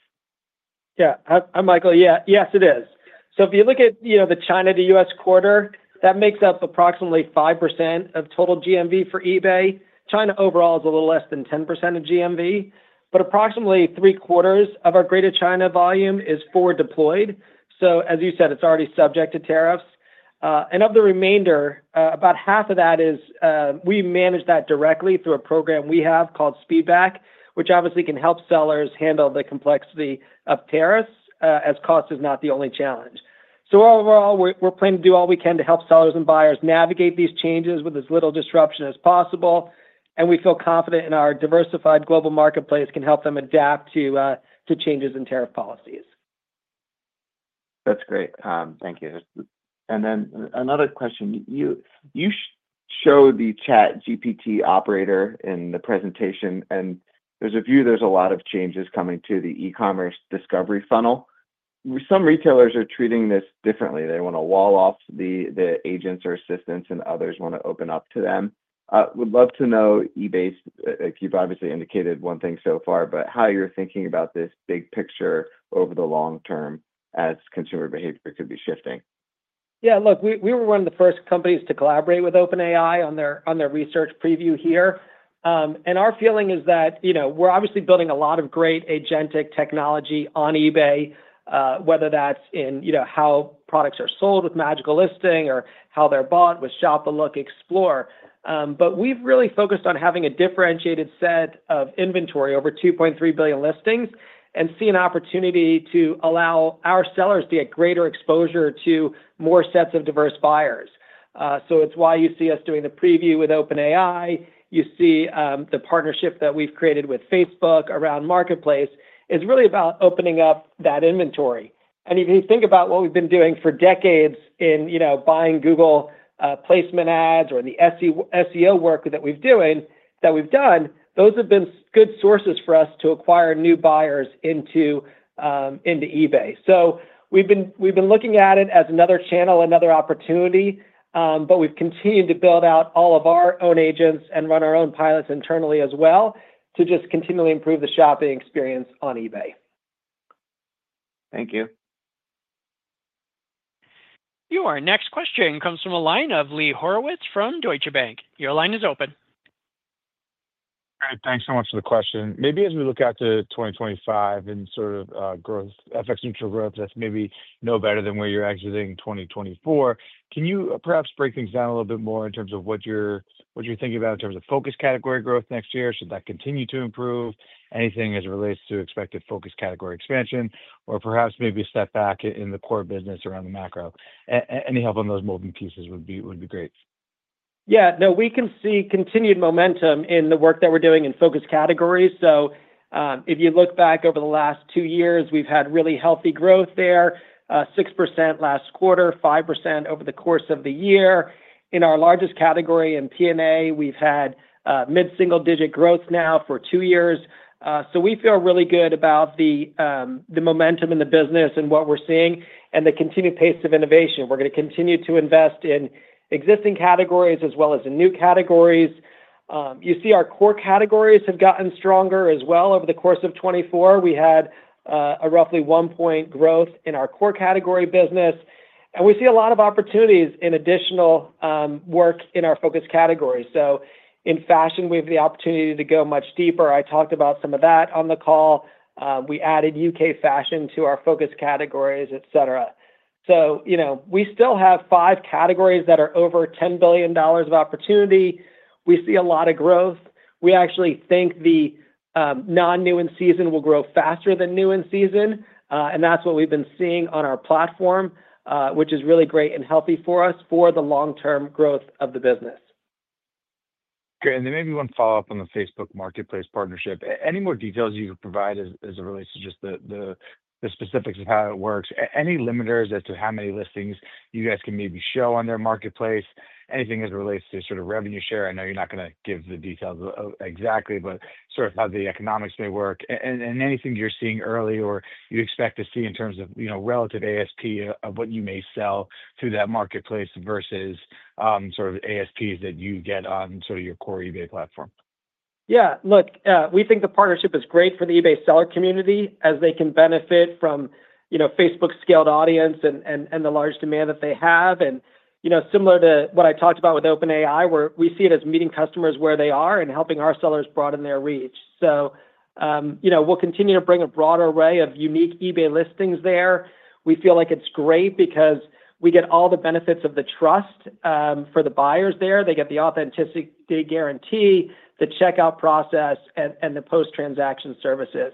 Yeah. Hi, Michael. Yeah. Yes, it is. So if you look at the China-to-U.S. corridor, that makes up approximately 5% of total GMV for eBay. China overall is a little less than 10% of GMV, but approximately three-quarters of our Greater China volume is forward deployed. So as you said, it's already subject to tariffs. And of the remainder, about half of that is we manage that directly through a program we have called SpeedPAK, which obviously can help sellers handle the complexity of tariffs, as cost is not the only challenge. So overall, we're planning to do all we can to help sellers and buyers navigate these changes with as little disruption as possible. And we feel confident in our diversified global marketplace can help them adapt to changes in tariff policies. That's great. Thank you. And then another question. You showed the ChatGPT operator in the presentation, and there's a view there's a lot of changes coming to the e-commerce discovery funnel. Some retailers are treating this differently. They want to wall off the agents or assistants, and others want to open up to them. Would love to know eBay's, like you've obviously indicated one thing so far, but how you're thinking about this big picture over the long term as consumer behavior could be shifting? Yeah. Look, we were one of the first companies to collaborate with OpenAI on their research preview here, and our feeling is that we're obviously building a lot of great agentic technology on eBay, whether that's in how products are sold with Magical Listing or how they're bought with Shop the Look, Explore. But we've really focused on having a differentiated set of inventory over 2.3 billion listings and see an opportunity to allow our sellers to get greater exposure to more sets of diverse buyers. So it's why you see us doing the preview with OpenAI. You see the partnership that we've created with Facebook Marketplace is really about opening up that inventory. If you think about what we've been doing for decades in buying Google placement ads or the SEO work that we've done, those have been good sources for us to acquire new buyers into eBay. So we've been looking at it as another channel, another opportunity, but we've continued to build out all of our own agents and run our own pilots internally as well to just continually improve the shopping experience on eBay. Thank you. Your next question comes from Lee Horowitz from Deutsche Bank. Your line is open. Great. Thanks so much for the question. Maybe as we look out to 2025 and sort of growth, FX-neutral growth, that's maybe no better than where you're exiting 2024. Can you perhaps break things down a little bit more in terms of what you're thinking about in terms of focus category growth next year? Should that continue to improve? Anything as it relates to expected focus category expansion or perhaps maybe a step back in the core business around the macro? Any help on those moving pieces would be great. Yeah. No, we can see continued momentum in the work that we're doing in focus categories. So if you look back over the last two years, we've had really healthy growth there, 6% last quarter, 5% over the course of the year. In our largest category, in P&A, we've had mid-single-digit growth now for two years. So we feel really good about the momentum in the business and what we're seeing and the continued pace of innovation. We're going to continue to invest in existing categories as well as in new categories. You see our core categories have gotten stronger as well over the course of 2024. We had a roughly one-point growth in our core category business, and we see a lot of opportunities in additional work in our focus categories, so in fashion, we have the opportunity to go much deeper. I talked about some of that on the call. We added U.K. fashion to our focus categories, etc., so we still have five categories that are over $10 billion of opportunity. We see a lot of growth. We actually think the non-new in season will grow faster than new in season, and that's what we've been seeing on our platform, which is really great and healthy for us for the long-term growth of the business. Great, and then maybe one follow-up on the Facebook Marketplace partnership. Any more details you could provide as it relates to just the specifics of how it works? Any limiters as to how many listings you guys can maybe show on their Marketplace? Anything as it relates to sort of revenue share? I know you're not going to give the details exactly, but sort of how the economics may work. And anything you're seeing early or you expect to see in terms of relative ASP of what you may sell through that Marketplace versus sort of ASPs that you get on sort of your core eBay platform? Yeah. Look, we think the partnership is great for the eBay seller community as they can benefit from Facebook's scaled audience and the large demand that they have. And similar to what I talked about with OpenAI, we see it as meeting customers where they are and helping our sellers broaden their reach. So we'll continue to bring a broader array of unique eBay listings there. We feel like it's great because we get all the benefits of the trust for the buyers there. They get the Authenticity Guarantee, the checkout process, and the post-transaction services.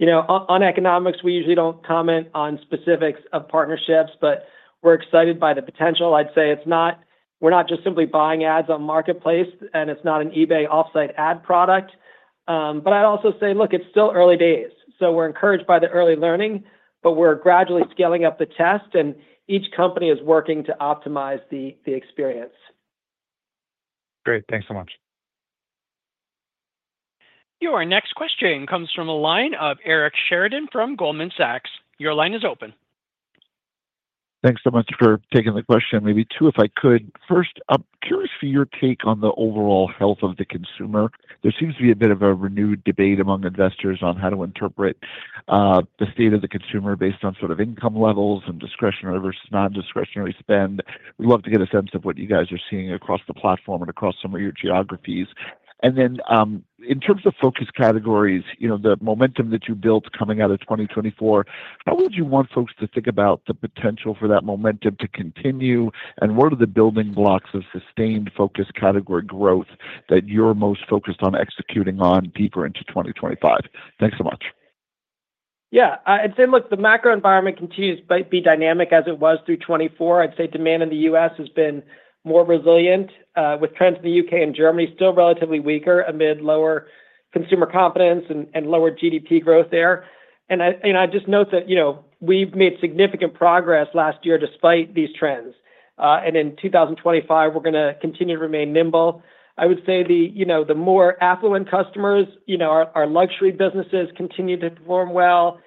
On economics, we usually don't comment on specifics of partnerships, but we're excited by the potential. I'd say we're not just simply buying ads on Marketplace, and it's not an eBay offsite ad product. But I'd also say, look, it's still early days. So we're encouraged by the early learning, but we're gradually scaling up the test, and each company is working to optimize the experience. Great. Thanks so much. Your next question comes from Eric Sheridan from Goldman Sachs. Your line is open. Thanks so much for taking the question. Maybe two, if I could. First, I'm curious for your take on the overall health of the consumer. There seems to be a bit of a renewed debate among investors on how to interpret the state of the consumer based on sort of income levels and discretionary versus non-discretionary spend. We'd love to get a sense of what you guys are seeing across the platform and across some of your geographies. And then in terms of focus categories, the momentum that you built coming out of 2024, how would you want folks to think about the potential for that momentum to continue? And what are the building blocks of sustained focus category growth that you're most focused on executing on deeper into 2025? Thanks so much. Yeah. I'd say, look, the macro environment continues to be dynamic as it was through 2024. I'd say demand in the U.S. has been more resilient with trends in the U.K. and Germany still relatively weaker amid lower consumer confidence and lower GDP growth there. And I just note that we've made significant progress last year despite these trends. And in 2025, we're going to continue to remain nimble. I would say the more affluent customers, our luxury businesses continue to perform well.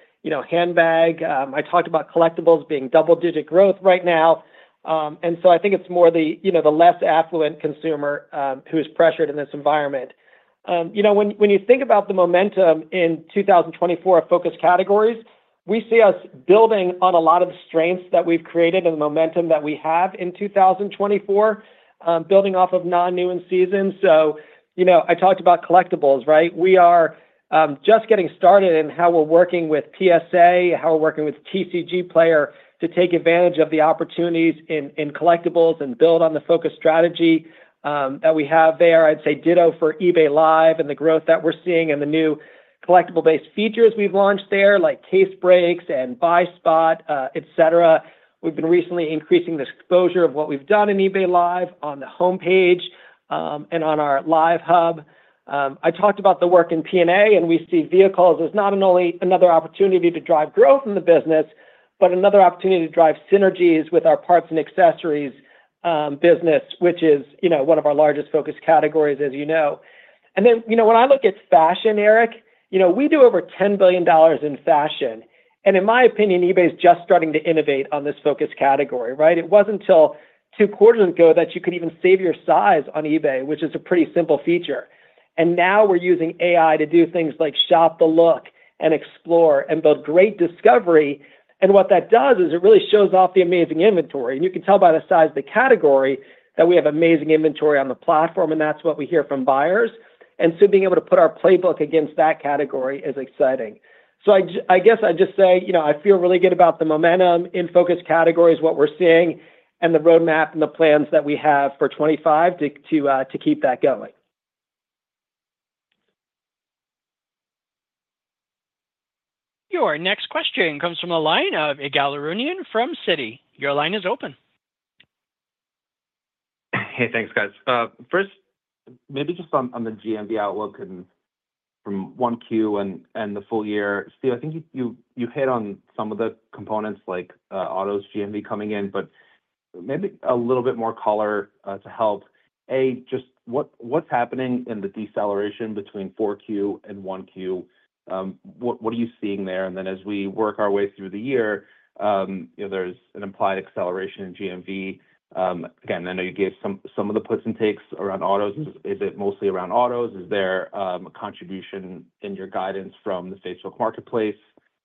Handbags, I talked about collectibles being double-digit growth right now. And so I think it's more the less affluent consumer who is pressured in this environment. When you think about the momentum in 2024 of focus categories, we see us building on a lot of the strengths that we've created and the momentum that we have in 2024, building off of non-seasonal. So I talked about collectibles, right? We are just getting started in how we're working with PSA, how we're working with TCGplayer to take advantage of the opportunities in collectibles and build on the focus strategy that we have there. I'd say ditto for eBay Live and the growth that we're seeing and the new collectible-based features we've launched there like case breaks and buy spot, etc. We've been recently increasing the exposure of what we've done in eBay Live on the homepage and on our live hub. I talked about the work in P&A, and we see vehicles as not only another opportunity to drive growth in the business, but another opportunity to drive synergies with our parts and accessories business, which is one of our largest focus categories, as you know. And then when I look at fashion, Eric, we do over $10 billion in fashion. In my opinion, eBay is just starting to innovate on this focus category, right? It wasn't until two quarters ago that you could even save your size on eBay, which is a pretty simple feature. And now we're using AI to do things like Shop the Look and Explore and build great discovery. And what that does is it really shows off the amazing inventory. And you can tell by the size of the category that we have amazing inventory on the platform, and that's what we hear from buyers. And so being able to put our playbook against that category is exciting. So I guess I'd just say I feel really good about the momentum in focus categories, what we're seeing, and the roadmap and the plans that we have for 2025 to keep that going. Your next question comes from Ygal Arounian from Citi.Your line is open. Hey, thanks, guys. First, maybe just on the GMV outlook from 1Q and the full year. Steve, I think you hit on some of the components like auto's GMV coming in, but maybe a little bit more color to help. A, just what's happening in the deceleration between 4Q and 1Q? What are you seeing there? And then as we work our way through the year, there's an implied acceleration in GMV. Again, I know you gave some of the puts and takes around autos. Is it mostly around autos? Is there a contribution in your guidance from the Facebook Marketplace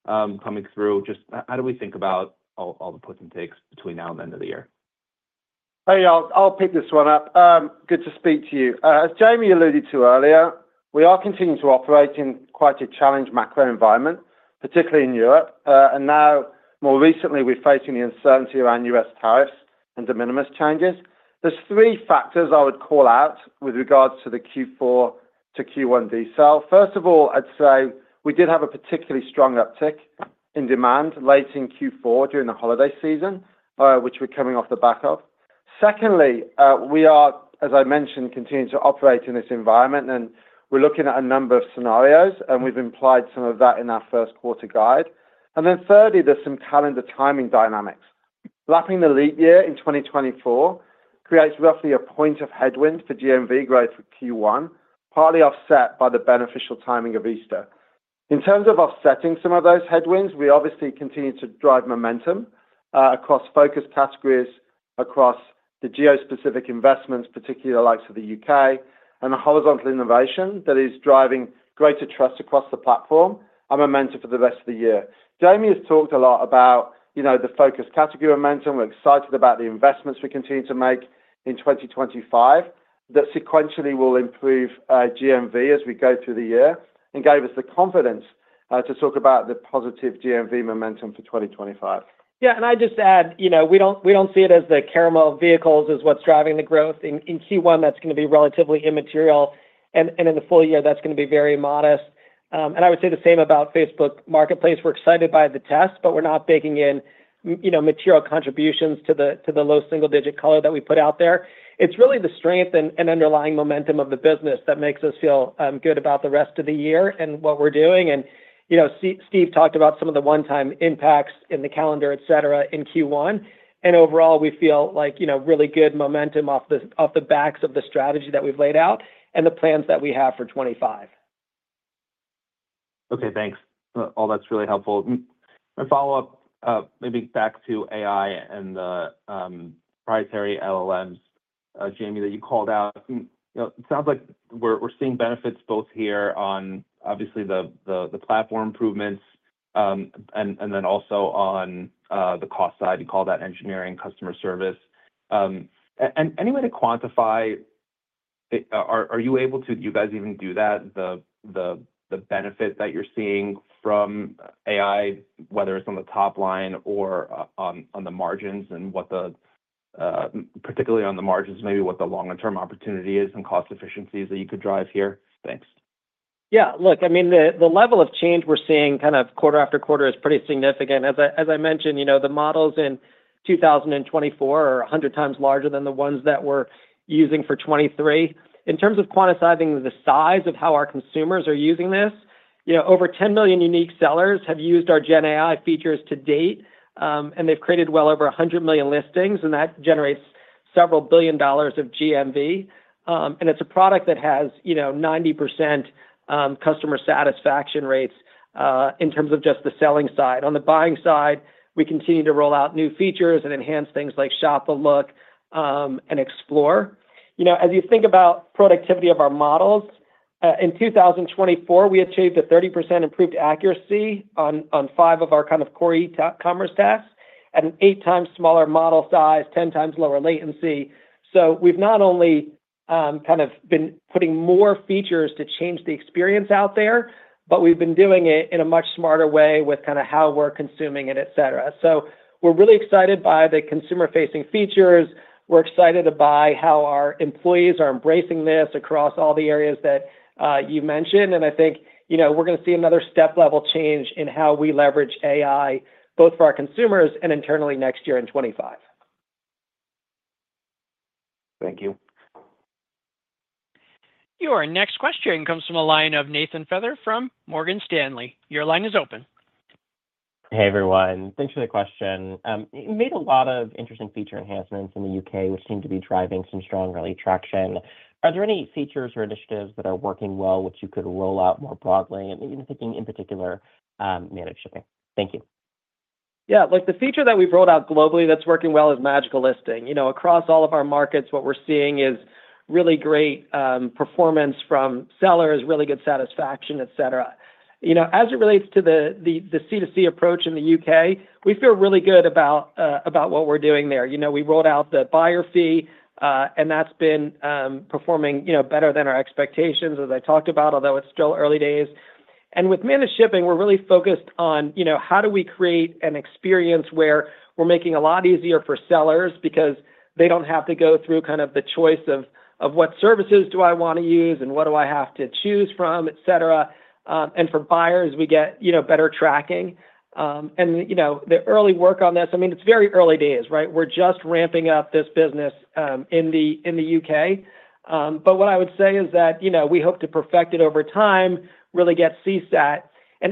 coming through? Just how do we think about all the puts and takes between now and the end of the year? Hey, I'll pick this one up. Good to speak to you. As Jamie alluded to earlier, we are continuing to operate in quite a challenged macro environment, particularly in Europe, and now, more recently, we're facing the uncertainty around U.S. tariffs and de minimis changes. There's three factors I would call out with regards to the Q4 to Q1 decel. First of all, I'd say we did have a particularly strong uptick in demand late in Q4 during the holiday season, which we're coming off the back of. Secondly, we are, as I mentioned, continuing to operate in this environment, and we're looking at a number of scenarios, and we've implied some of that in our first quarter guide, and then thirdly, there's some calendar timing dynamics. Wrapping the leap year in 2024 creates roughly a point of headwind for GMV growth for Q1, partly offset by the beneficial timing of Easter. In terms of offsetting some of those headwinds, we obviously continue to drive momentum across focus categories, across the geo-specific investments, particularly the likes of the UK, and the horizontal innovation that is driving greater trust across the platform and momentum for the rest of the year. Jamie has talked a lot about the focus category momentum. We're excited about the investments we continue to make in 2025 that sequentially will improve GMV as we go through the year and gave us the confidence to talk about the positive GMV momentum for 2025. Yeah. And I'd just add we don't see it as the Caramel of vehicles is what's driving the growth. In Q1, that's going to be relatively immaterial. And in the full year, that's going to be very modest. And I would say the same about Facebook Marketplace. We're excited by the test, but we're not baking in material contributions to the low single-digit color that we put out there. It's really the strength and underlying momentum of the business that makes us feel good about the rest of the year and what we're doing. And Steve talked about some of the one-time impacts in the calendar, etc., in Q1. And overall, we feel like really good momentum off the backs of the strategy that we've laid out and the plans that we have for 2025. Okay. Thanks. All that's really helpful. My follow-up, maybe back to AI and the proprietary LLMs, Jamie, that you called out. It sounds like we're seeing benefits both here on, obviously, the platform improvements and then also on the cost side. You called out engineering, customer service. And any way to quantify, are you able to, do you guys even do that, the benefit that you're seeing from AI, whether it's on the top line or on the margins and particularly on the margins, maybe what the longer-term opportunity is and cost efficiencies that you could drive here? Thanks. Yeah. Look, I mean, the level of change we're seeing kind of quarter after quarter is pretty significant. As I mentioned, the models in 2024 are 100 times larger than the ones that we're using for 2023. In terms of quantifying the size of how our consumers are using this, over 10 million unique sellers have used our GenAI features to date, and they've created well over 100 million listings, and that generates several billion dollars of GMV. And it's a product that has 90% customer satisfaction rates in terms of just the selling side. On the buying side, we continue to roll out new features and enhance things like Shop the Look and Explore. As you think about productivity of our models, in 2024, we achieved a 30% improved accuracy on five of our kind of core e-commerce tasks and an eight-times smaller model size, 10 times lower latency. So we've not only kind of been putting more features to change the experience out there, but we've been doing it in a much smarter way with kind of how we're consuming it, etc. So we're really excited by the consumer-facing features. We're excited about how our employees are embracing this across all the areas that you mentioned. And I think we're going to see another step-level change in how we leverage AI, both for our consumers and internally next year in 2025. Thank you. Your next question comes from the line of Nathan Feather from Morgan Stanley. Your line is open. Hey, everyone. Thanks for the question. You made a lot of interesting feature enhancements in the UK, which seem to be driving some strong early traction. Are there any features or initiatives that are working well, which you could roll out more broadly? And even thinking in particular, Managed Shipping. Thank you. Yeah. Look, the feature that we've rolled out globally that's working well is Magical Listing. Across all of our markets, what we're seeing is really great performance from sellers, really good satisfaction, etc. As it relates to the C2C approach in the UK, we feel really good about what we're doing there. We rolled out the buyer fee, and that's been performing better than our expectations, as I talked about, although it's still early days. With Managed Shipping, we're really focused on how do we create an experience where we're making a lot easier for sellers because they don't have to go through kind of the choice of what services do I want to use and what do I have to choose from, etc. For buyers, we get better tracking. The early work on this, I mean, it's very early days, right? We're just ramping up this business in the U.K. What I would say is that we hope to perfect it over time, really get CSAT.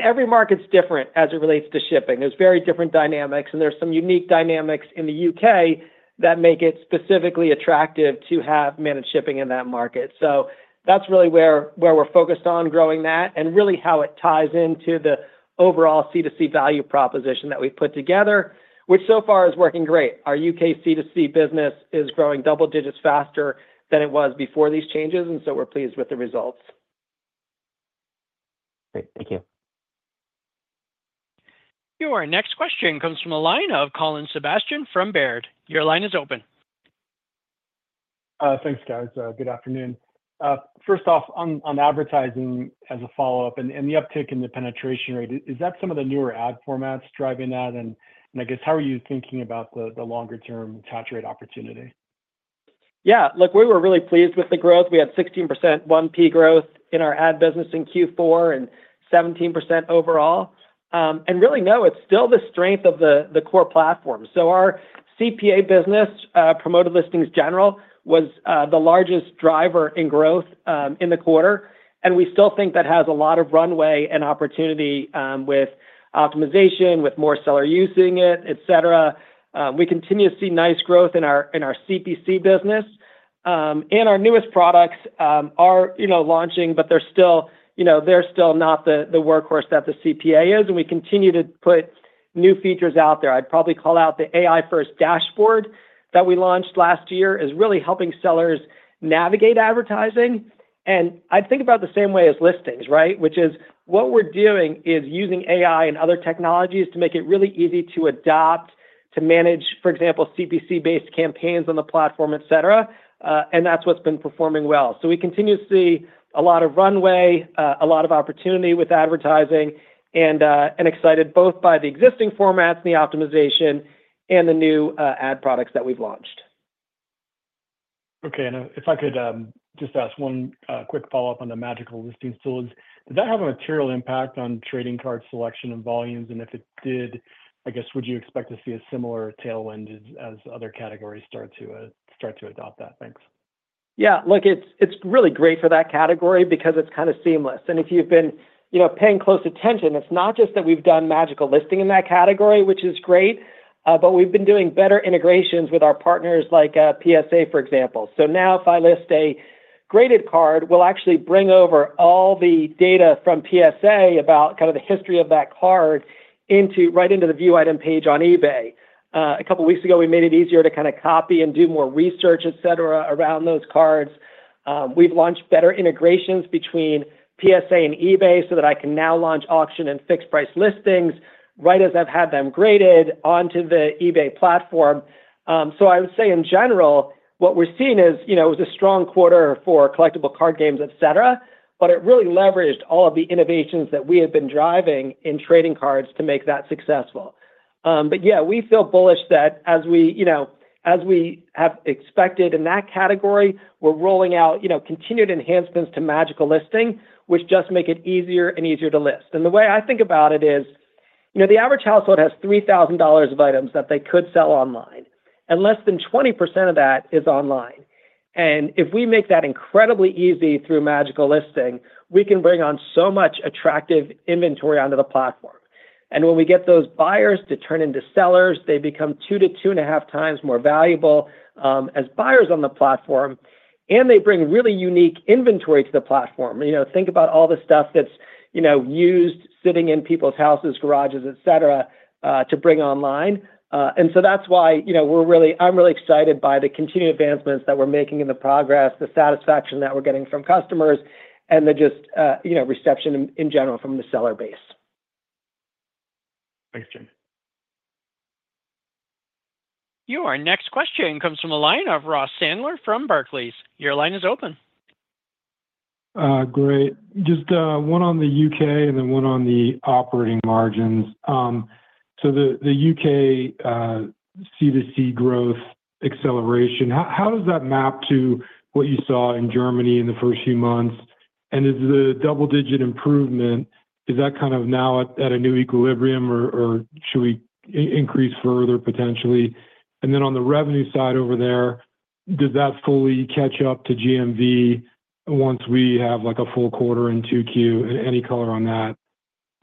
Every market's different as it relates to shipping. There's very different dynamics, and there's some unique dynamics in the U.K. that make it specifically attractive to have Managed Shipping in that market. So that's really where we're focused on growing that and really how it ties into the overall C2C value proposition that we've put together, which so far is working great. Our UK C2C business is growing double digits faster than it was before these changes, and so we're pleased with the results. Great. Thank you. Your next question comes from Colin Sebastian from Baird. Your line is open. Thanks, guys. Good afternoon. First off, on advertising as a follow-up and the uptick in the penetration rate, is that some of the newer ad formats driving that? And I guess, how are you thinking about the longer-term attach rate opportunity? Yeah. Look, we were really pleased with the growth. We had 16% 1P growth in our ad business in Q4 and 17% overall. And really, no, it's still the strength of the core platform. So our CPA business, Promoted Listings General, was the largest driver in growth in the quarter. And we still think that has a lot of runway and opportunity with optimization, with more sellers using it, etc. We continue to see nice growth in our CPC business. And our newest products are launching, but they're still not the workhorse that the CPA is. And we continue to put new features out there. I'd probably call out the AI-first dashboard that we launched last year is really helping sellers navigate advertising. And I'd think about it the same way as listings, right? Which is what we're doing is using AI and other technologies to make it really easy to adopt, to manage, for example, CPC-based campaigns on the platform, etc. And that's what's been performing well. So we continue to see a lot of runway, a lot of opportunity with advertising, and excited both by the existing formats and the optimization and the new ad products that we've launched. Okay. And if I could just ask one quick follow-up on the Magical Listing tools, does that have a material impact on trading card selection and volumes? And if it did, I guess, would you expect to see a similar tailwind as other categories start to adopt that? Thanks. Yeah. Look, it's really great for that category because it's kind of seamless. And if you've been paying close attention, it's not just that we've done Magical Listing in that category, which is great, but we've been doing better integrations with our partners like PSA, for example. So now if I list a graded card, we'll actually bring over all the data from PSA about kind of the history of that card right into the view item page on eBay. A couple of weeks ago, we made it easier to kind of copy and do more research, etc., around those cards. We've launched better integrations between PSA and eBay so that I can now launch auction and fixed-price listings right as I've had them graded onto the eBay platform. So I would say, in general, what we're seeing is it was a strong quarter for collectible card games, etc., but it really leveraged all of the innovations that we had been driving in trading cards to make that successful. But yeah, we feel bullish that as we have expected in that category, we're rolling out continued enhancements to Magical Listing, which just make it easier and easier to list. And the way I think about it is the average household has $3,000 of items that they could sell online, and less than 20% of that is online. And if we make that incredibly easy through Magical Listing, we can bring on so much attractive inventory onto the platform. And when we get those buyers to turn into sellers, they become two to two and a half times more valuable as buyers on the platform, and they bring really unique inventory to the platform. Think about all the stuff that's used, sitting in people's houses, garages, etc., to bring online. And so that's why I'm really excited by the continued advancements that we're making in the progress, the satisfaction that we're getting from customers, and the just reception in general from the seller base. Thanks, Jim. Your next question comes from Ross Sandler of Barclays. Your line is open. Great. Just one on the UK and then one on the operating margins. So the UK C2C growth acceleration, how does that map to what you saw in Germany in the first few months? And is the double-digit improvement, is that kind of now at a new equilibrium, or should we increase further potentially? And then on the revenue side over there, does that fully catch up to GMV once we have a full quarter in Q2? Any color on that?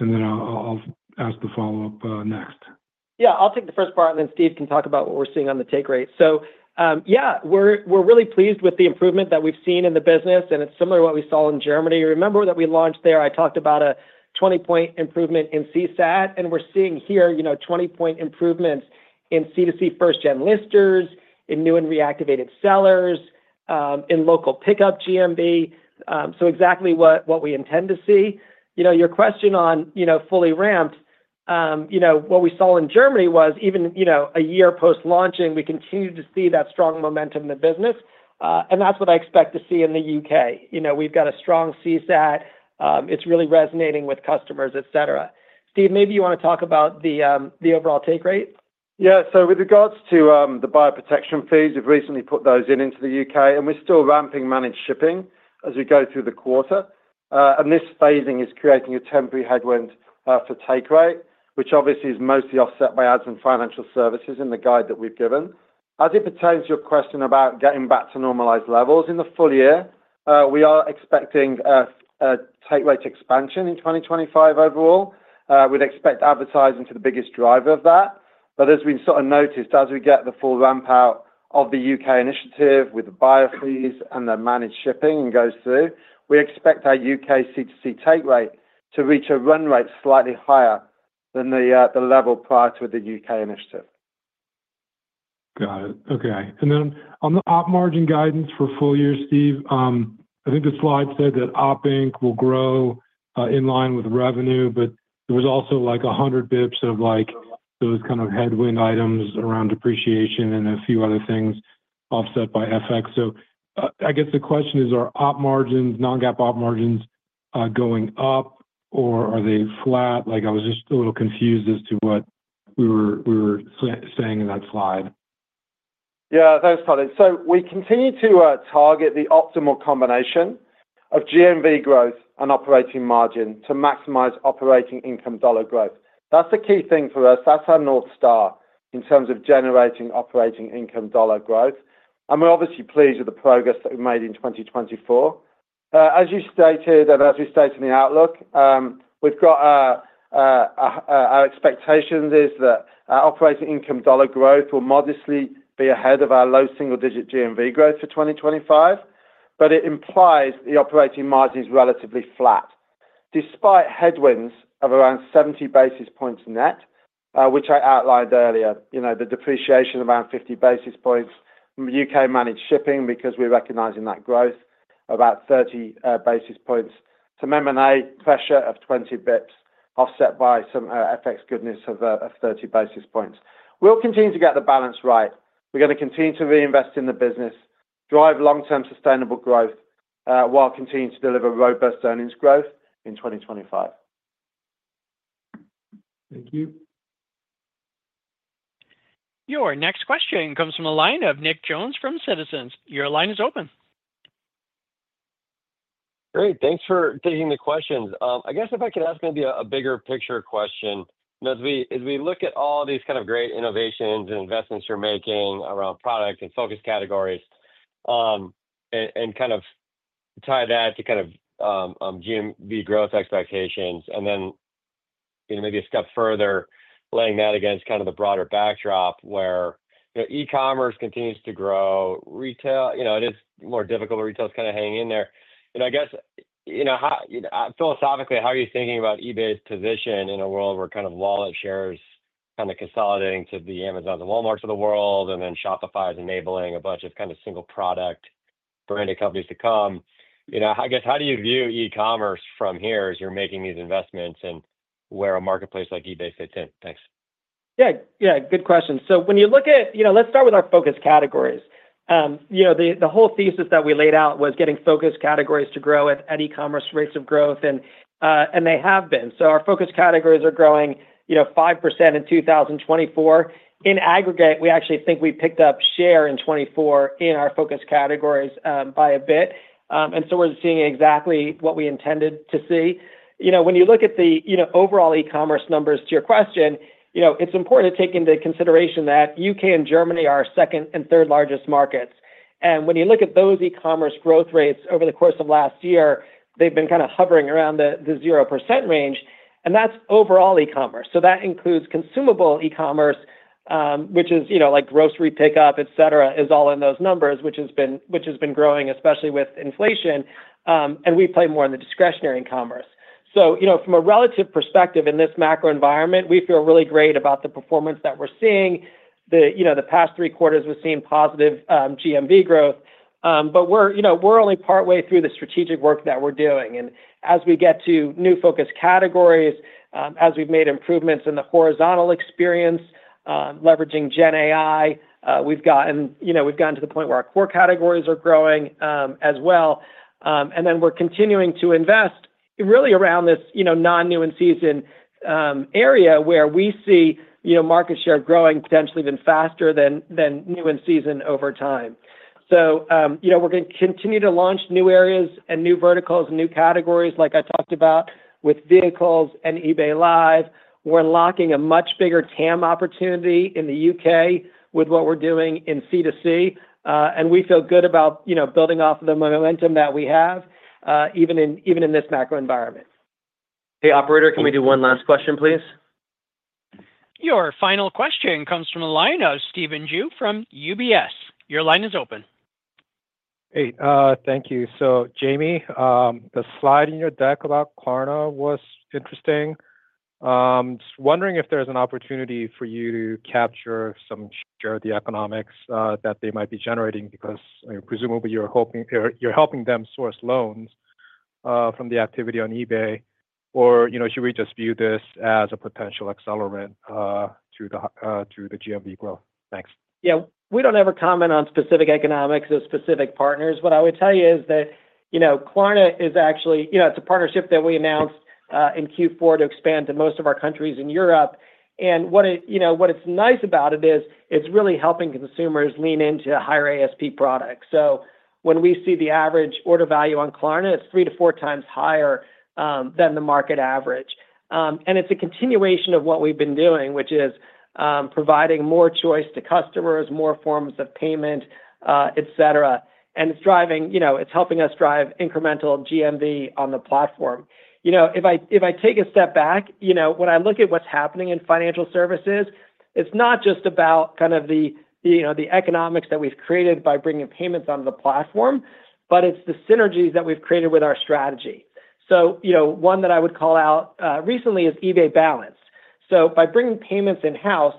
And then I'll ask the follow-up next. Yeah.I'll take the first part, and then Steve can talk about what we're seeing on the take rate. So yeah, we're really pleased with the improvement that we've seen in the business, and it's similar to what we saw in Germany. Remember that we launched there, I talked about a 20-point improvement in CSAT, and we're seeing here 20-point improvements in C2C first-gen listers, in new and reactivated sellers, in local pickup GMV. So exactly what we intend to see. Your question on fully ramped, what we saw in Germany was even a year post-launching, we continued to see that strong momentum in the business, and that's what I expect to see in the UK. We've got a strong CSAT. It's really resonating with customers, etc. Steve, maybe you want to talk about the overall take rate? Yeah.So with regards to the buyer protection fees, we've recently put those into the UK, and we're still ramping Managed Shipping as we go through the quarter. And this phasing is creating a temporary headwind for take rate, which obviously is mostly offset by ads and financial services in the guide that we've given. As it pertains to your question about getting back to normalized levels in the full year, we are expecting a take rate expansion in 2025 overall. We'd expect advertising to be the biggest driver of that. But as we sort of noticed, as we get the full ramp out of the UK initiative with the buyer fees and the Managed Shipping and goes through, we expect our UK C2C take rate to reach a run rate slightly higher than the level prior to the UK initiative. Got it. Okay. And then on the op margin guidance for full year, Steve, I think the slide said that Op Inc. will grow in line with revenue, but there was also like 100 basis points of those kind of headwind items around depreciation and a few other things offset by FX. So I guess the question is, are non-GAAP op margins going up, or are they flat? I was just a little confused as to what we were saying in that slide. Yeah. Thanks, Colin. So we continue to target the optimal combination of GMV growth and operating margin to maximize operating income dollar growth. That's the key thing for us. That's our North Star in terms of generating operating income dollar growth. And we're obviously pleased with the progress that we made in 2024. As you stated, and as we stated in the outlook, our expectation is that our operating income dollar growth will modestly be ahead of our low single-digit GMV growth for 2025, but it implies the operating margin is relatively flat. Despite headwinds of around 70 basis points net, which I outlined earlier, the depreciation of around 50 basis points, U.K. Managed Shipping because we're recognizing that growth, about 30 basis points, some M&A pressure of 20 basis points offset by some FX goodness of 30 basis points. We'll continue to get the balance right. We're going to continue to reinvest in the business, drive long-term sustainable growth, while continuing to deliver robust earnings growth in 2025. Thank you. Your next question comes from Nick Jones of Citizens JMP. Your line is open. Great. Thanks for taking the questions.I guess if I could ask maybe a bigger picture question. As we look at all these kind of great innovations and investments you're making around product and focus categories and kind of tie that to kind of GMV growth expectations, and then maybe a step further, laying that against kind of the broader backdrop where e-commerce continues to grow, retail, it is more difficult, but retail is kind of hanging in there, and I guess philosophically, how are you thinking about eBay's position in a world where kind of wallet shares kind of consolidating to the Amazons and Walmarts of the world, and then Shopify is enabling a bunch of kind of single product branded companies to come? I guess, how do you view e-commerce from here as you're making these investments and where a marketplace like eBay fits in? Thanks. Yeah. Yeah. Good question. So, when you look at, let's start with our focus categories. The whole thesis that we laid out was getting focus categories to grow at e-commerce rates of growth, and they have been. Our focus categories are growing 5% in 2024. In aggregate, we actually think we picked up share in 2024 in our focus categories by a bit. We're seeing exactly what we intended to see. When you look at the overall e-commerce numbers, to your question, it's important to take into consideration that UK and Germany are our second and third largest markets. When you look at those e-commerce growth rates over the course of last year, they've been kind of hovering around the 0% range. That's overall e-commerce. That includes consumable e-commerce, which is like grocery pickup, etc., is all in those numbers, which has been growing, especially with inflation. We play more in the discretionary commerce. So from a relative perspective in this macro environment, we feel really great about the performance that we're seeing. The past three quarters we've seen positive GMV growth, but we're only partway through the strategic work that we're doing. And as we get to new focus categories, as we've made improvements in the horizontal experience, leveraging GenAI, we've gotten to the point where our core categories are growing as well. And then we're continuing to invest really around this non-new in season area where we see market share growing potentially even faster than new in season over time. So we're going to continue to launch new areas and new verticals and new categories, like I talked about with vehicles and eBay Live. We're unlocking a much bigger TAM opportunity in the U.K. with what we're doing in C2C. And we feel good about building off of the momentum that we have, even in this macro environment. Hey, operator, can we do one last question, please? Your final question comes from Stephen Ju from UBS. Your line is open. Hey. Thank you. So Jamie, the slide in your deck about Klarna was interesting. Just wondering if there's an opportunity for you to capture some share of the economics that they might be generating because presumably you're helping them source loans from the activity on eBay, or should we just view this as a potential accelerant to the GMV growth? Thanks. Yeah. We don't ever comment on specific economics or specific partners. What I would tell you is that Klarna is actually it's a partnership that we announced in Q4 to expand to most of our countries in Europe. What it's nice about it is it's really helping consumers lean into higher ASP products. So when we see the average order value on Klarna, it's three to four times higher than the market average. And it's a continuation of what we've been doing, which is providing more choice to customers, more forms of payment, etc. And it's helping us drive incremental GMV on the platform. If I take a step back, when I look at what's happening in financial services, it's not just about kind of the economics that we've created by bringing payments onto the platform, but it's the synergies that we've created with our strategy. So one that I would call out recently is eBay Balance. So by bringing payments in-house,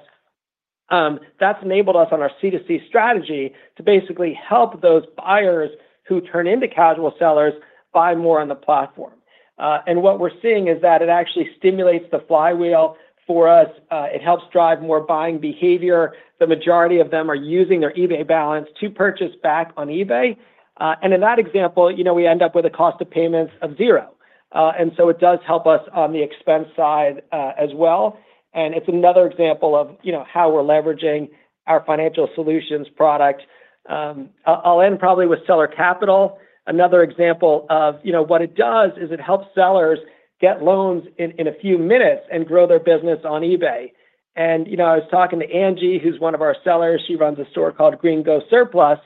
that's enabled us on our C2C strategy to basically help those buyers who turn into casual sellers buy more on the platform. And what we're seeing is that it actually stimulates the flywheel for us. It helps drive more buying behavior. The majority of them are using their eBay Balance to purchase back on eBay. And in that example, we end up with a cost of payments of zero. And so it does help us on the expense side as well. And it's another example of how we're leveraging our financial solutions product. I'll end probably with seller capital. Another example of what it does is it helps sellers get loans in a few minutes and grow their business on eBay. And I was talking to Angie, who's one of our sellers. She runs a store called Green Go Surplus.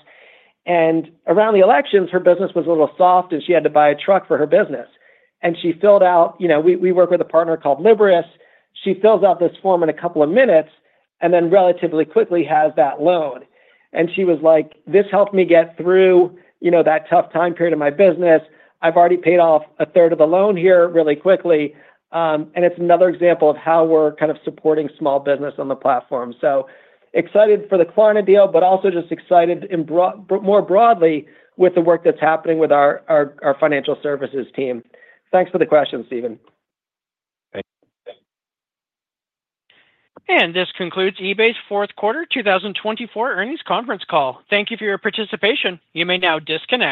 And around the elections, her business was a little soft, and she had to buy a truck for her business. And she filled out. We work with a partner called Liberis. She fills out this form in a couple of minutes and then relatively quickly has that loan. And she was like, "This helped me get through that tough time period of my business. I've already paid off a third of the loan here really quickly." And it's another example of how we're kind of supporting small business on the platform. So excited for the Klarna deal, but also just excited more broadly with the work that's happening with our financial services team. Thanks for the question, Steven. Thanks. And this concludes eBay's fourth quarter 2024 earnings conference call. Thank you for your participation. You may now disconnect.